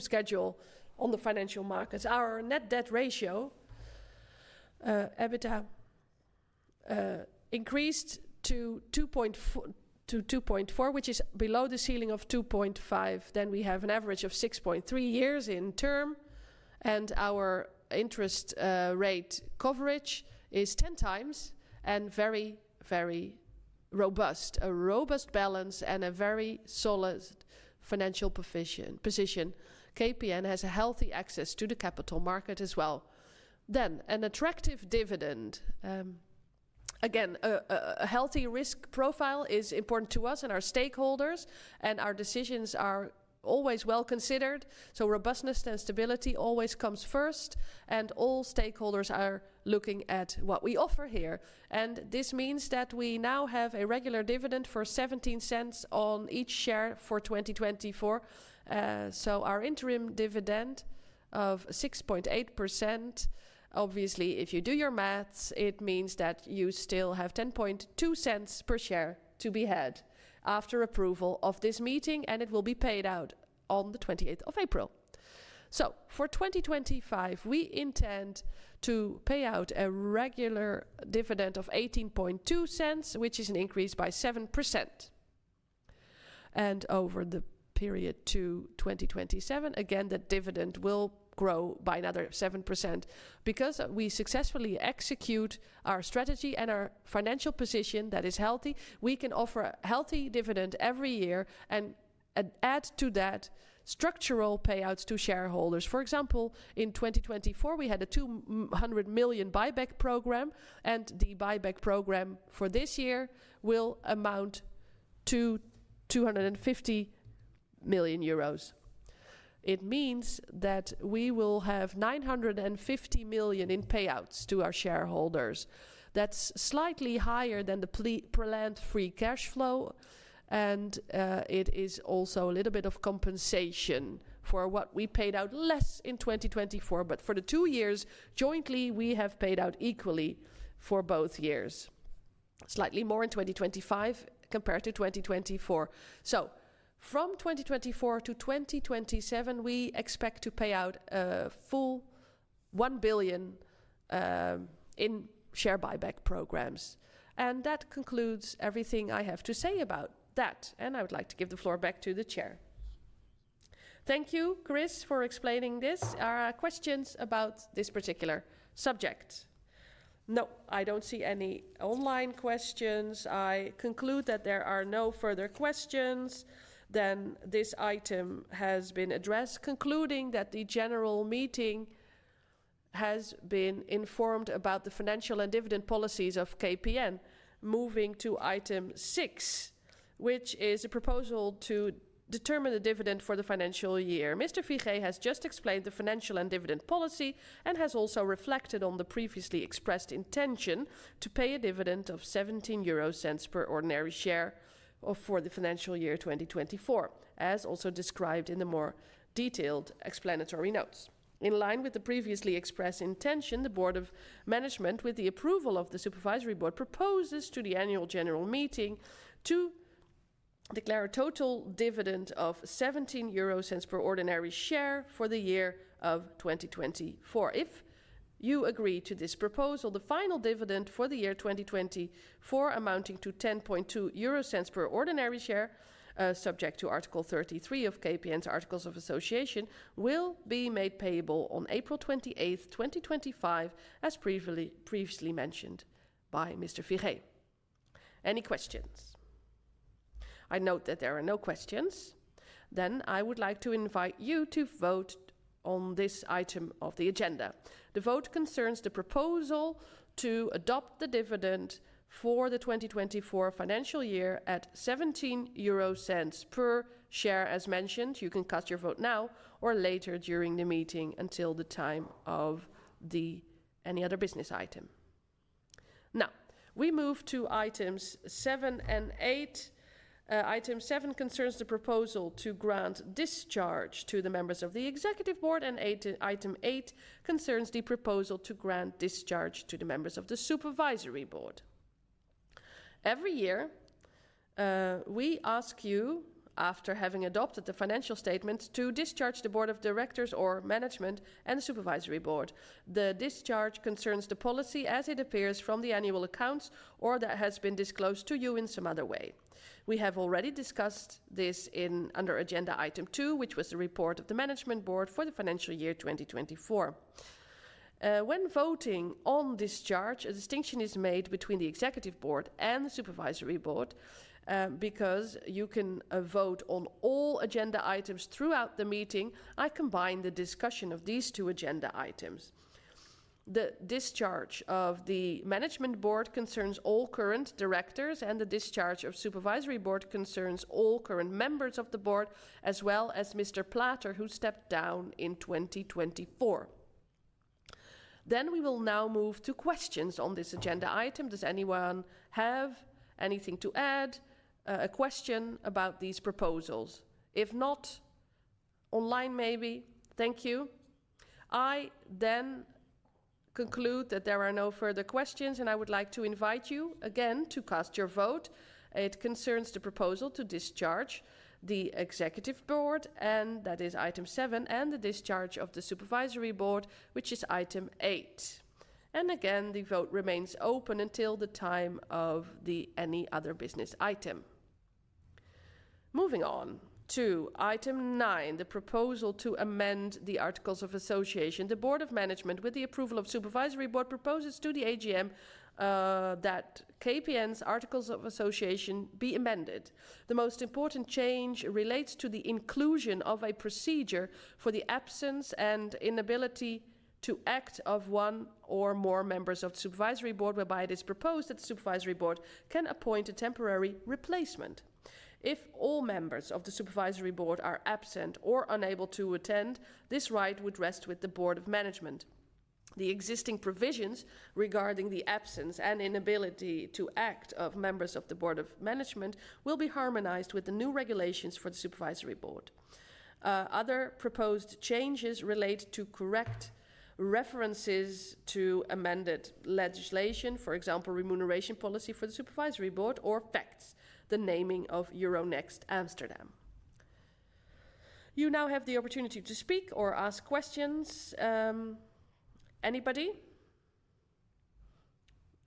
schedule on the financial markets. Our net debt ratio, EBITDA, increased to 2.4, which is below the ceiling of 2.5. We have an average of 6.3 years in term, and our interest rate coverage is 10 times and very, very robust. A robust balance and a very solid financial position. KPN has a healthy access to the capital market as well. An attractive dividend. Again, a healthy risk profile is important to us and our stakeholders, and our decisions are always well considered. Robustness and stability always comes first, and all stakeholders are looking at what we offer here. This means that we now have a regular dividend for 0.17 on each share for 2024. Our interim dividend of 6.8% obviously, if you do your maths, it means that you still have 0.102 per share to be had after approval of this meeting, and it will be paid out on the 28th of April. For 2025, we intend to pay out a regular dividend of 0.182, which is an increase by 7%. Over the period to 2027, again, that dividend will grow by another 7%. Because we successfully execute our strategy and our financial position that is healthy, we can offer a healthy dividend every year and add to that structural payouts to shareholders. For example, in 2024, we had a 200 million buyback program, and the buyback program for this year will amount to 250 million euros. It means that we will have 950 million in payouts to our shareholders. That's slightly higher than the planned free cash flow, and it is also a little bit of compensation for what we paid out less in 2024, but for the two years, jointly, we have paid out equally for both years. Slightly more in 2025 compared to 2024. From 2024 to 2027, we expect to pay out a full 1 billion in share buyback programs. That concludes everything I have to say about that, and I would like to give the floor back to the Chair. Thank you, Chris, for explaining this. Are there questions about this particular subject? No, I do not see any online questions. I conclude that there are no further questions. This item has been addressed, concluding that the general meeting has been informed about the financial and dividend policies of KPN. Moving to item six, which is a proposal to determine the dividend for the financial year. Mr. Figee has just explained the financial and dividend policy and has also reflected on the previously expressed intention to pay a dividend of 0.17 per ordinary share for the financial year 2024, as also described in the more detailed explanatory notes. In line with the previously expressed intention, the Board of Management, with the approval of the Supervisory Board, proposes to the Annual General Meeting to declare a total dividend of 0.17 per ordinary share for the year of 2024. If you agree to this proposal, the final dividend for the year 2024, amounting to 0.102 per ordinary share, subject to Article 33 of KPN's Articles of Association, will be made payable on April 28, 2025, as previously mentioned by Mr. Figee. Any questions? I note that there are no questions. I would like to invite you to vote on this item of the agenda. The vote concerns the proposal to adopt the dividend for the 2024 financial year at 0.17 per share, as mentioned. You can cast your vote now or later during the meeting until the time of the any other business item. Now, we move to items seven and eight. Item seven concerns the proposal to grant discharge to the members of the Executive Board, and item eight concerns the proposal to grant discharge to the members of the Supervisory Board. Every year, we ask you, after having adopted the financial statements, to discharge the Board of Directors or Management and Supervisory Board. The discharge concerns the policy as it appears from the annual accounts or that has been disclosed to you in some other way. We have already discussed this under agenda item two, which was the report of the Management Board for the financial year 2024. When voting on discharge, a distinction is made between the Executive Board and the Supervisory Board. Because you can vote on all agenda items throughout the meeting, I combine the discussion of these two agenda items. The discharge of the Management Board concerns all current directors, and the discharge of the Supervisory Board concerns all current members of the Board, as well as Mr. Plater, who stepped down in 2024. We will now move to questions on this agenda item. Does anyone have anything to add? A question about these proposals? If not, online maybe. Thank you. I then conclude that there are no further questions, and I would like to invite you again to cast your vote. It concerns the proposal to discharge the Executive Board, and that is item seven, and the discharge of the Supervisory Board, which is item eight. The vote remains open until the time of the any other business item. Moving on to item nine, the proposal to amend the Articles of Association. The Board of Management, with the approval of the Supervisory Board, proposes to the AGM that KPN's Articles of Association be amended. The most important change relates to the inclusion of a procedure for the absence and inability to act of one or more members of the Supervisory Board, whereby it is proposed that the Supervisory Board can appoint a temporary replacement. If all members of the Supervisory Board are absent or unable to attend, this right would rest with the Board of Management. The existing provisions regarding the absence and inability to act of members of the Board of Management will be harmonized with the new regulations for the Supervisory Board. Other proposed changes relate to correct references to amended legislation, for example, remuneration policy for the Supervisory Board or facts, the naming of Euronext Amsterdam. You now have the opportunity to speak or ask questions. Anybody?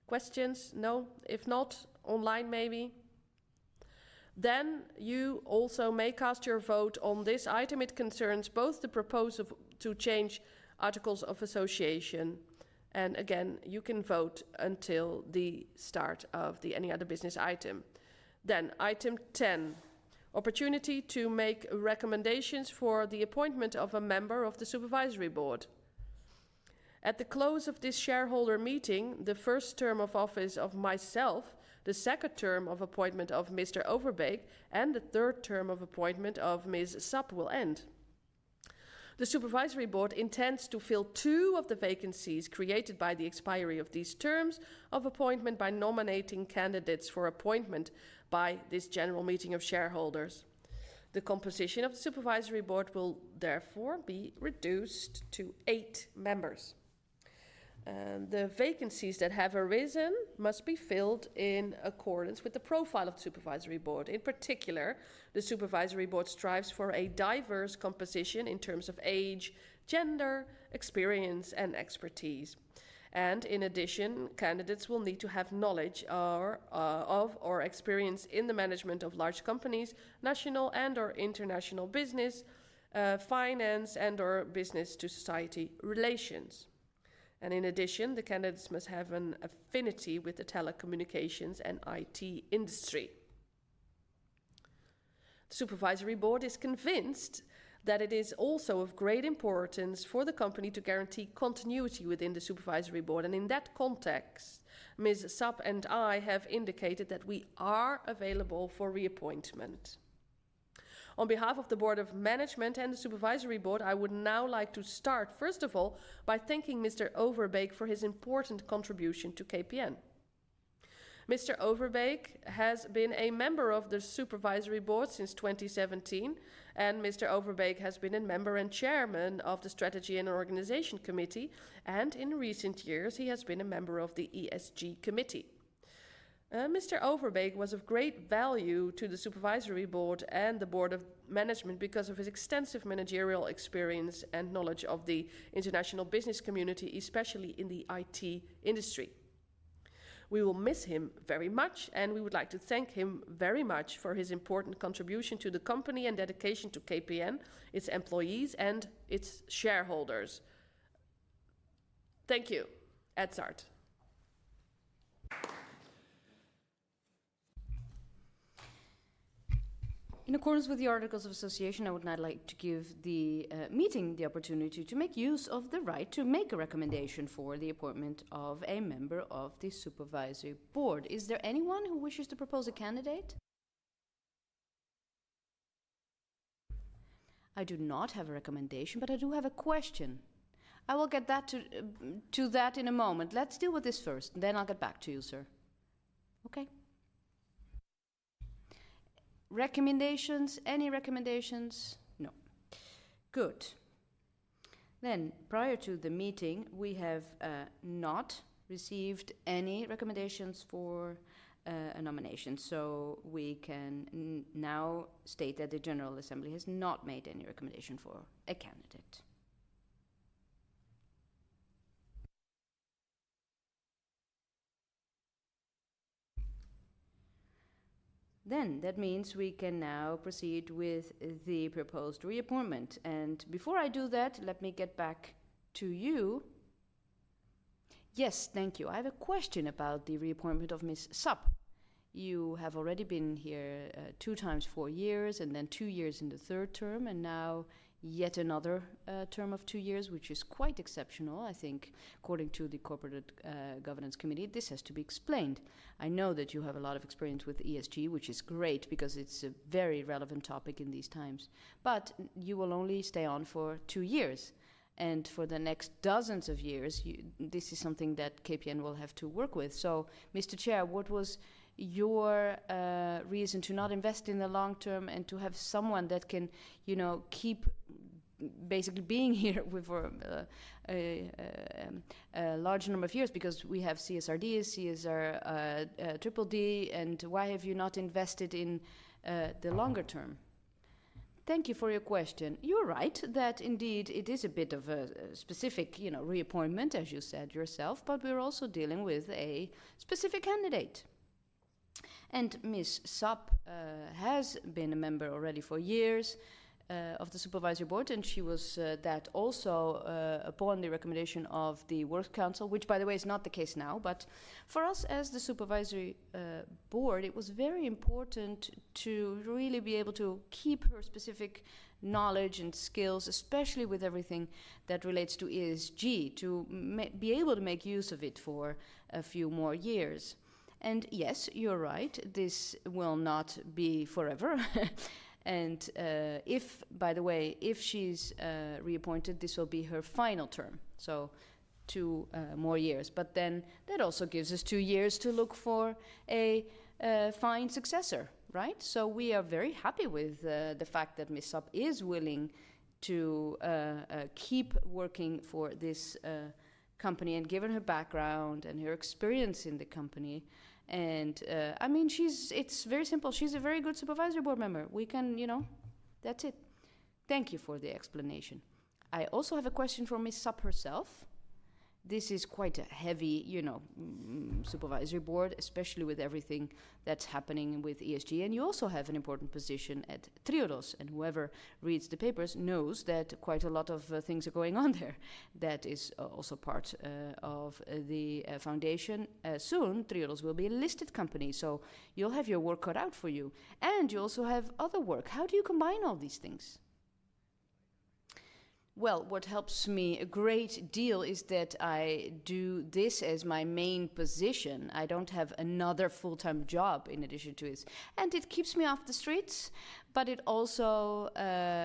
Questions? No? If not, online maybe. You also may cast your vote on this item. It concerns both the proposal to change Articles of Association. Again, you can vote until the start of the any other business item. Item ten, opportunity to make recommendations for the appointment of a member of the Supervisory Board. At the close of this shareholder meeting, the first term of office of myself, the second term of appointment of Mr. Overbeke, and the third term of appointment of Ms. Sap will end. The Supervisory Board intends to fill two of the vacancies created by the expiry of these terms of appointment by nominating candidates for appointment by this general meeting of shareholders. The composition of the Supervisory Board will therefore be reduced to eight members. The vacancies that have arisen must be filled in accordance with the profile of the Supervisory Board. In particular, the Supervisory Board strives for a diverse composition in terms of age, gender, experience, and expertise. In addition, candidates will need to have knowledge of or experience in the management of large companies, national and/or international business, finance, and/or business-to-society relations. In addition, the candidates must have an affinity with the telecommunications and IT industry. The Supervisory Board is convinced that it is also of great importance for the company to guarantee continuity within the Supervisory Board. In that context, Ms. Sap and I have indicated that we are available for reappointment. On behalf of the Board of Management and the Supervisory Board, I would now like to start, first of all, by thanking Mr. Overbeke for his important contribution to KPN. Mr. Overbeke has been a member of the Supervisory Board since 2017, and Mr. Overbeke has been a member and chairman of the Strategy and Organization Committee, and in recent years, he has been a member of the ESG Committee. Mr. Overbeke was of great value to the Supervisory Board and the Board of Management because of his extensive managerial experience and knowledge of the international business community, especially in the IT industry. We will miss him very much, and we would like to thank him very much for his important contribution to the company and dedication to KPN, its employees, and its shareholders. Thank you. Ed 't Hart. In accordance with the Articles of Association, I would now like to give the meeting the opportunity to make use of the right to make a recommendation for the appointment of a member of the Supervisory Board. Is there anyone who wishes to propose a candidate? I do not have a recommendation, but I do have a question. I will get to that in a moment. Let's deal with this first, and then I'll get back to you, sir. Okay. Recommendations? Any recommendations? No. Good. Then, prior to the meeting, we have not received any recommendations for a nomination. We can now state that the general assembly has not made any recommendation for a candidate. That means we can now proceed with the proposed reappointment. Before I do that, let me get back to you. Yes, thank you. I have a question about the reappointment of Ms. Sap. You have already been here two times four years and then two years in the third term, and now yet another term of two years, which is quite exceptional. I think, according to the Corporate Governance Committee, this has to be explained. I know that you have a lot of experience with ESG, which is great because it's a very relevant topic in these times. You will only stay on for two years. For the next dozens of years, this is something that KPN will have to work with. So, Mr. Chair, what was your reason to not invest in the long term and to have someone that can keep basically being here for a large number of years? Because we have CSRDs, CSDDD, and why have you not invested in the longer term? Thank you for your question. You're right that indeed it is a bit of a specific reappointment, as you said yourself, but we're also dealing with a specific candidate. Ms. Sap has been a member already for years of the Supervisory Board, and she was that also upon the recommendation of the Works Council, which, by the way, is not the case now. For us as the Supervisory Board, it was very important to really be able to keep her specific knowledge and skills, especially with everything that relates to ESG, to be able to make use of it for a few more years. Yes, you're right, this will not be forever. By the way, if she's reappointed, this will be her final term, so two more years. That also gives us two years to look for a fine successor, right? We are very happy with the fact that Ms. Sap is willing to keep working for this company and given her background and her experience in the company. I mean, it's very simple. She's a very good Supervisory Board member. That's it. Thank you for the explanation. I also have a question for Ms. Sap herself. This is quite a heavy Supervisory Board, especially with everything that's happening with ESG. You also have an important position at Triodos. Whoever reads the papers knows that quite a lot of things are going on there. That is also part of the foundation. Soon, Triodos will be a listed company. You will have your work cut out for you. You also have other work. How do you combine all these things? What helps me a great deal is that I do this as my main position. I do not have another full-time job in addition to this. It keeps me off the streets, but it also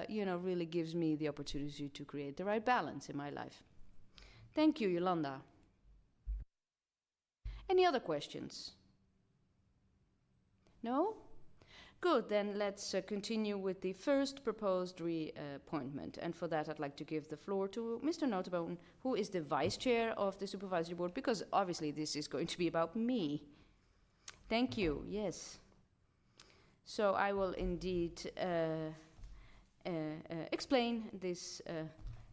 really gives me the opportunity to create the right balance in my life. Thank you, Jolande. Any other questions? No? Good. Let's continue with the first proposed reappointment. For that, I would like to give the floor to Mr. Noteboom, who is the Vice Chair of the Supervisory Board, because obviously this is going to be about me. Thank you. Yes. I will indeed explain this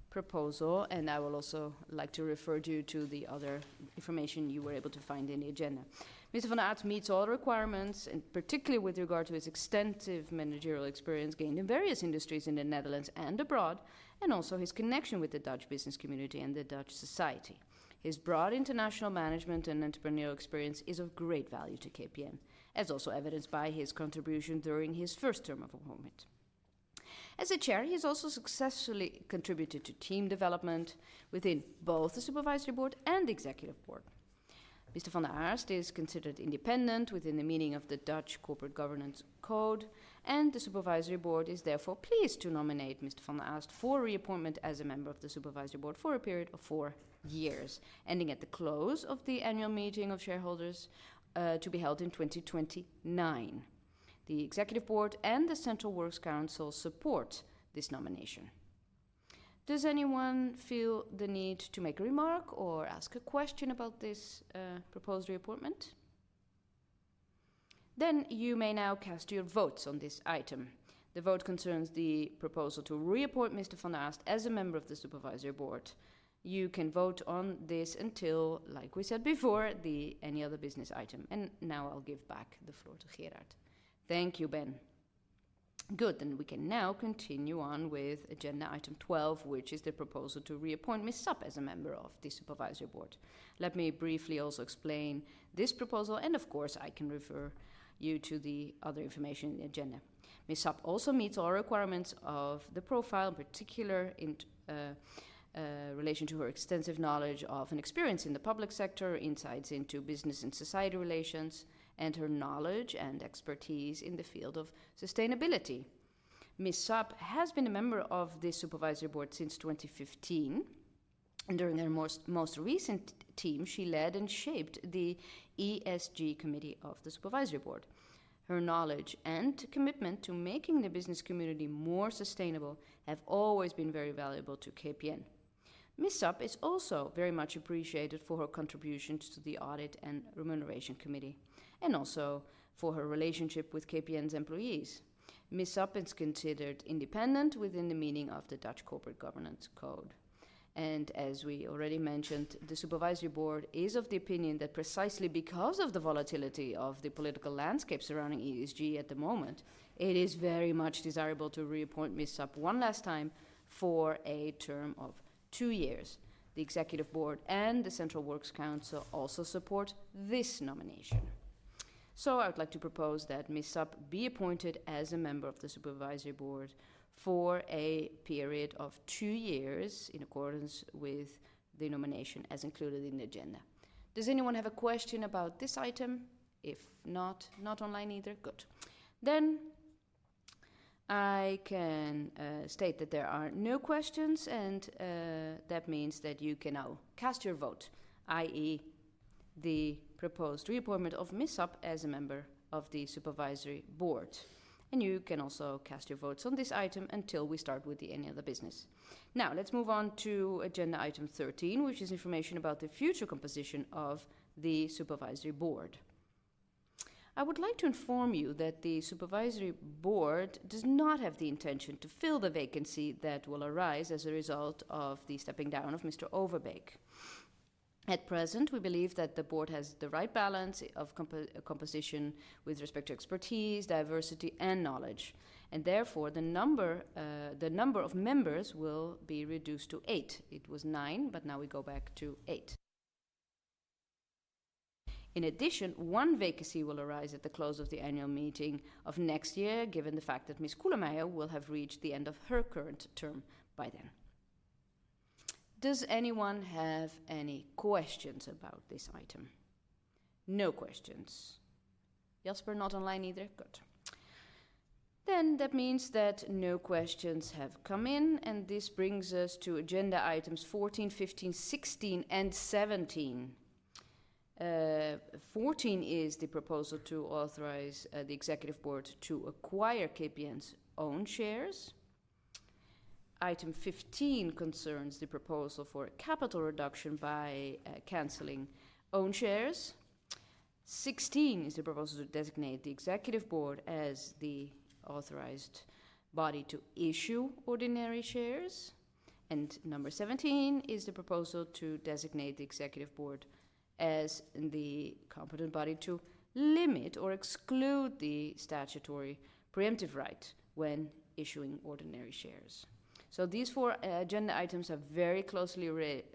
proposal, and I would also like to refer you to the other information you were able to find in the agenda. Mr. van de Aast meets all requirements, particularly with regard to his extensive managerial experience gained in various industries in the Netherlands and abroad, and also his connection with the Dutch business community and the Dutch society. His broad international management and entrepreneurial experience is of great value to KPN, as also evidenced by his contribution during his first term of appointment. As a Chair, he has also successfully contributed to team development within both the Supervisory Board and Executive Board. Mr. van de Aast is considered independent within the meaning of the Dutch corporate governance code, and the Supervisory Board is therefore pleased to nominate Mr. van de Aast for reappointment as a member of the Supervisory Board for a period of four years, ending at the close of the annual meeting of shareholders to be held in 2029. The Executive Board and the Central Works Council support this nomination. Does anyone feel the need to make a remark or ask a question about this proposed reappointment? You may now cast your votes on this item. The vote concerns the proposal to reappoint Mr. van de Aast as a member of the Supervisory Board. You can vote on this until, like we said before, the any other business item. I will now give back the floor to Gerard. Thank you, Ben. Good. We can now continue on with agenda item 12, which is the proposal to reappoint Ms. Sap as a member of the Supervisory Board. Let me briefly also explain this proposal, and of course, I can refer you to the other information in the agenda. Ms. Sap also meets all requirements of the profile, in particular in relation to her extensive knowledge of and experience in the public sector, insights into business and society relations, and her knowledge and expertise in the field of sustainability. Ms. Sap has been a member of the Supervisory Board since 2015. During her most recent term, she led and shaped the ESG Committee of the Supervisory Board. Her knowledge and commitment to making the business community more sustainable have always been very valuable to KPN. Ms. Sap is also very much appreciated for her contributions to the audit and remuneration committee, and also for her relationship with KPN's employees. Ms. Sap is considered independent within the meaning of the Dutch corporate governance code. As we already mentioned, the Supervisory Board is of the opinion that precisely because of the volatility of the political landscape surrounding ESG at the moment, it is very much desirable to reappoint Ms. Sap one last time for a term of two years. The Executive Board and the Central Works Council also support this nomination. I would like to propose that Ms. Sap be appointed as a member of the Supervisory Board for a period of two years in accordance with the nomination as included in the agenda. Does anyone have a question about this item? If not, not online either. Good. I can state that there are no questions, and that means that you can now cast your vote, i.e., the proposed reappointment of Ms. Sap as a member of the Supervisory Board. You can also cast your votes on this item until we start with the any other business. Now, let's move on to agenda item 13, which is information about the future composition of the Supervisory Board. I would like to inform you that the Supervisory Board does not have the intention to fill the vacancy that will arise as a result of the stepping down of Mr. Overbeke. At present, we believe that the Board has the right balance of composition with respect to expertise, diversity, and knowledge. Therefore, the number of members will be reduced to eight. It was nine, but now we go back to eight. In addition, one vacancy will arise at the close of the annual meeting of next year, given the fact that Ms. Koelemeijer will have reached the end of her current term by then. Does anyone have any questions about this item? No questions. Jasper, not online either. Good. That means that no questions have come in, and this brings us to agenda items 14, 15, 16, and 17. Fourteen is the proposal to authorize the Executive Board to acquire KPN's own shares. Item fifteen concerns the proposal for capital reduction by canceling own shares. Sixteen is the proposal to designate the Executive Board as the authorized body to issue ordinary shares. Number seventeen is the proposal to designate the Executive Board as the competent body to limit or exclude the statutory preemptive right when issuing ordinary shares. These four agenda items are very closely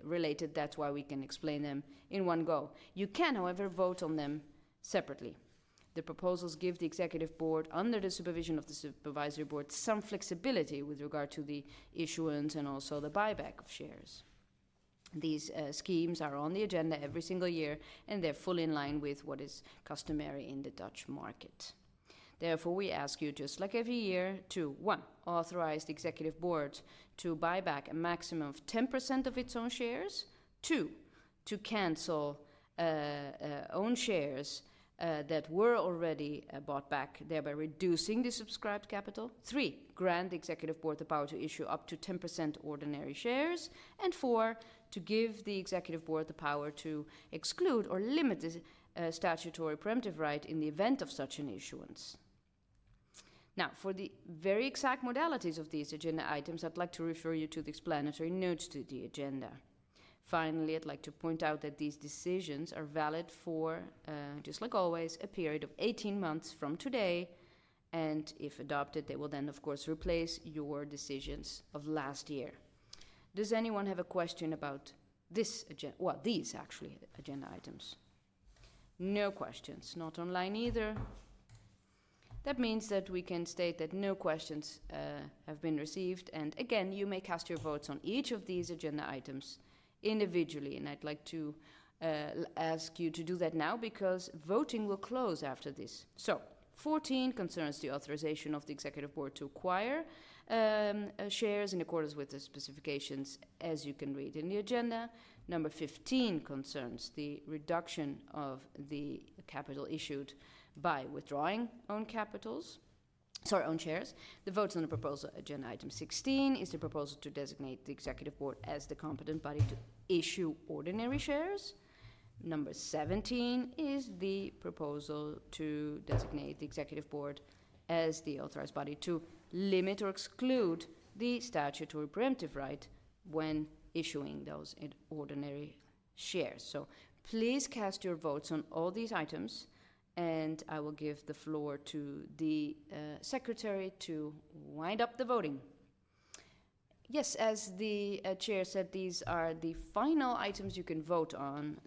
related. That is why we can explain them in one go. You can, however, vote on them separately. The proposals give the Executive Board, under the supervision of the Supervisory Board, some flexibility with regard to the issuance and also the buyback of shares. These schemes are on the agenda every single year, and they're fully in line with what is customary in the Dutch market. Therefore, we ask you, just like every year, to: one, authorize the Executive Board to buy back a maximum of 10% of its own shares; two, to cancel own shares that were already bought back, thereby reducing the subscribed capital; three, grant the Executive Board the power to issue up to 10% ordinary shares; and four, to give the Executive Board the power to exclude or limit the statutory preemptive right in the event of such an issuance. Now, for the very exact modalities of these agenda items, I'd like to refer you to the explanatory notes to the agenda. Finally, I'd like to point out that these decisions are valid for, just like always, a period of 18 months from today. If adopted, they will then, of course, replace your decisions of last year. Does anyone have a question about these actually agenda items? No questions. Not online either. That means that we can state that no questions have been received. Again, you may cast your votes on each of these agenda items individually. I'd like to ask you to do that now because voting will close after this. Fourteen concerns the authorization of the Executive Board to acquire shares in accordance with the specifications, as you can read in the agenda. Number fifteen concerns the reduction of the capital issued by withdrawing own shares. The votes on the proposal agenda item 16 is the proposal to designate the Executive Board as the competent body to issue ordinary shares. Number 17 is the proposal to designate the Executive Board as the authorized body to limit or exclude the statutory preemptive right when issuing those ordinary shares. Please cast your votes on all these items, and I will give the floor to the secretary to wind up the voting. Yes, as the chair said, these are the final items you can vote on.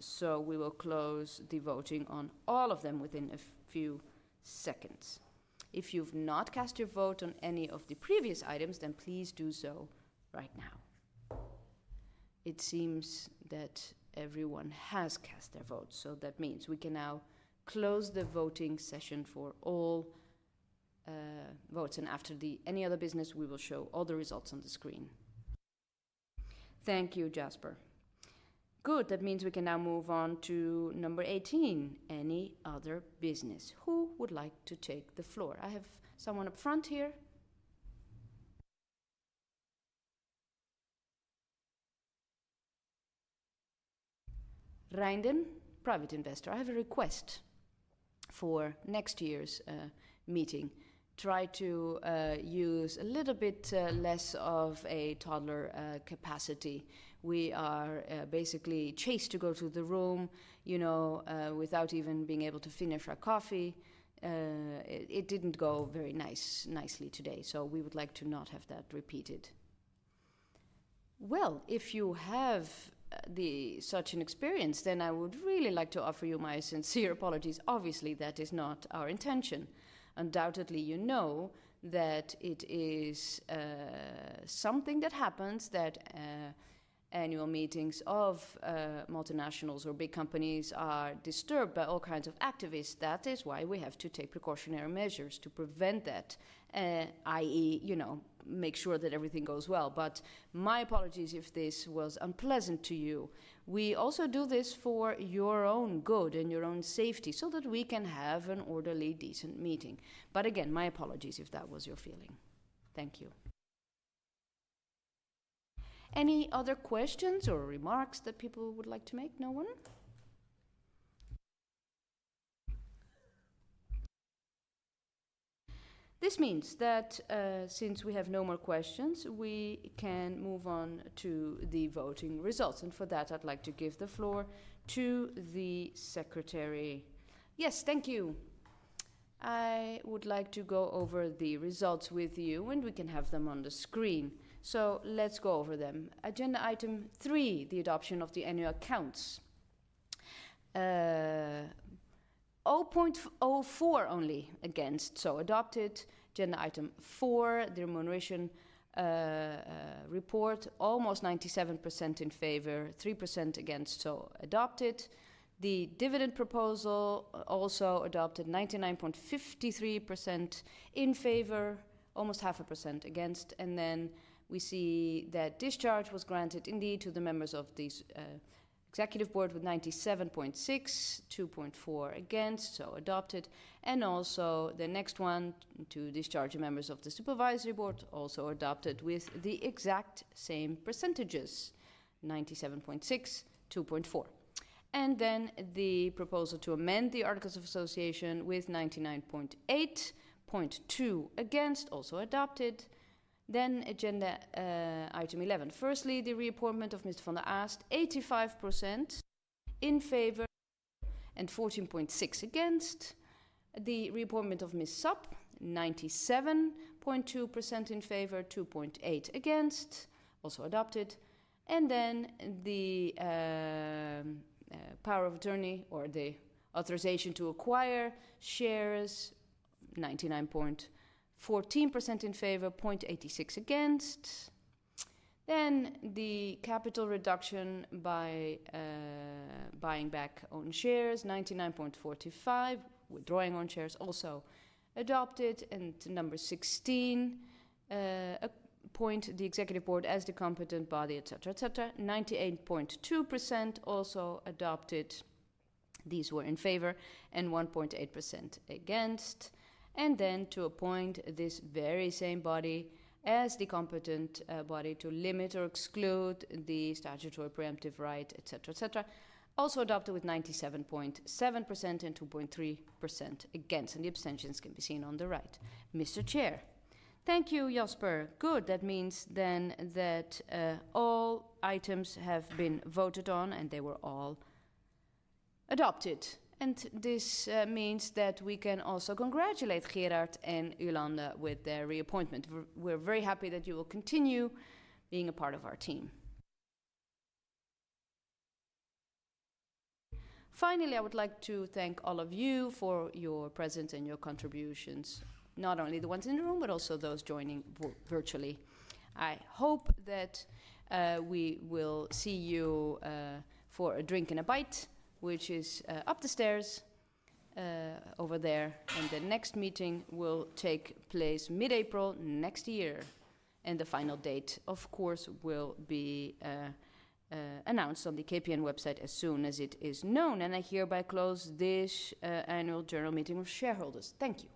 We will close the voting on all of them within a few seconds. If you've not cast your vote on any of the previous items, please do so right now. It seems that everyone has cast their vote. That means we can now close the voting session for all votes. After the any other business, we will show all the results on the screen. Thank you, Jasper. Good. That means we can now move on to number 18, any other business. Who would like to take the floor? I have someone up front here. Reinden, private investor. I have a request for next year's meeting. Try to use a little bit less of a toddler capacity. We are basically chased to go to the room without even being able to finish our coffee. It did not go very nicely today, so we would like to not have that repeated. If you have such an experience, then I would really like to offer you my sincere apologies. Obviously, that is not our intention. Undoubtedly, you know that it is something that happens that annual meetings of multinationals or big companies are disturbed by all kinds of activists. That is why we have to take precautionary measures to prevent that, i.e., make sure that everything goes well. My apologies if this was unpleasant to you. We also do this for your own good and your own safety so that we can have an orderly, decent meeting. My apologies if that was your feeling. Thank you. Any other questions or remarks that people would like to make? No one? This means that since we have no more questions, we can move on to the voting results. For that, I'd like to give the floor to the secretary. Yes, thank you. I would like to go over the results with you, and we can have them on the screen. Let's go over them. Agenda item three, the adoption of the annual accounts. 0.04% only against, so adopted. Agenda item four, the remuneration report, almost 97% in favor, 3% against, so adopted. The dividend proposal also adopted, 99.53% in favor, almost half a percent against. We see that discharge was granted indeed to the members of the Executive Board with 97.6%, 2.4% against, so adopted. Also, the next one to discharge the members of the Supervisory Board also adopted with the exact same percentages, 97.6%, 2.4%. The proposal to amend the articles of association with 99.8%, 0.2% against, also adopted. Agenda item 11. Firstly, the reappointment of Mr. van de Aast, 85% in favor and 14.6% against. The reappointment of Ms. Sap, 97.2% in favor, 2.8% against, also adopted. The power of attorney or the authorization to acquire shares, 99.14% in favor, 0.86% against. The capital reduction by buying back own shares, 99.45%, withdrawing own shares, also adopted. Number 16, appoint the Executive Board as the competent body, etc., etc., 98.2% also adopted. These were in favor and 1.8% against. To appoint this very same body as the competent body to limit or exclude the statutory preemptive right, etc., etc., also adopted with 97.7% and 2.3% against. The abstentions can be seen on the right. Mr. Chair, thank you, Jasper. Good. That means that all items have been voted on, and they were all adopted. This means that we can also congratulate Gerard and Yolanda with their reappointment. We're very happy that you will continue being a part of our team. Finally, I would like to thank all of you for your presence and your contributions, not only the ones in the room, but also those joining virtually. I hope that we will see you for a drink and a bite, which is up the stairs over there. The next meeting will take place mid-April next year. The final date, of course, will be announced on the KPN website as soon as it is known. I hereby close this annual general meeting of shareholders. Thank you.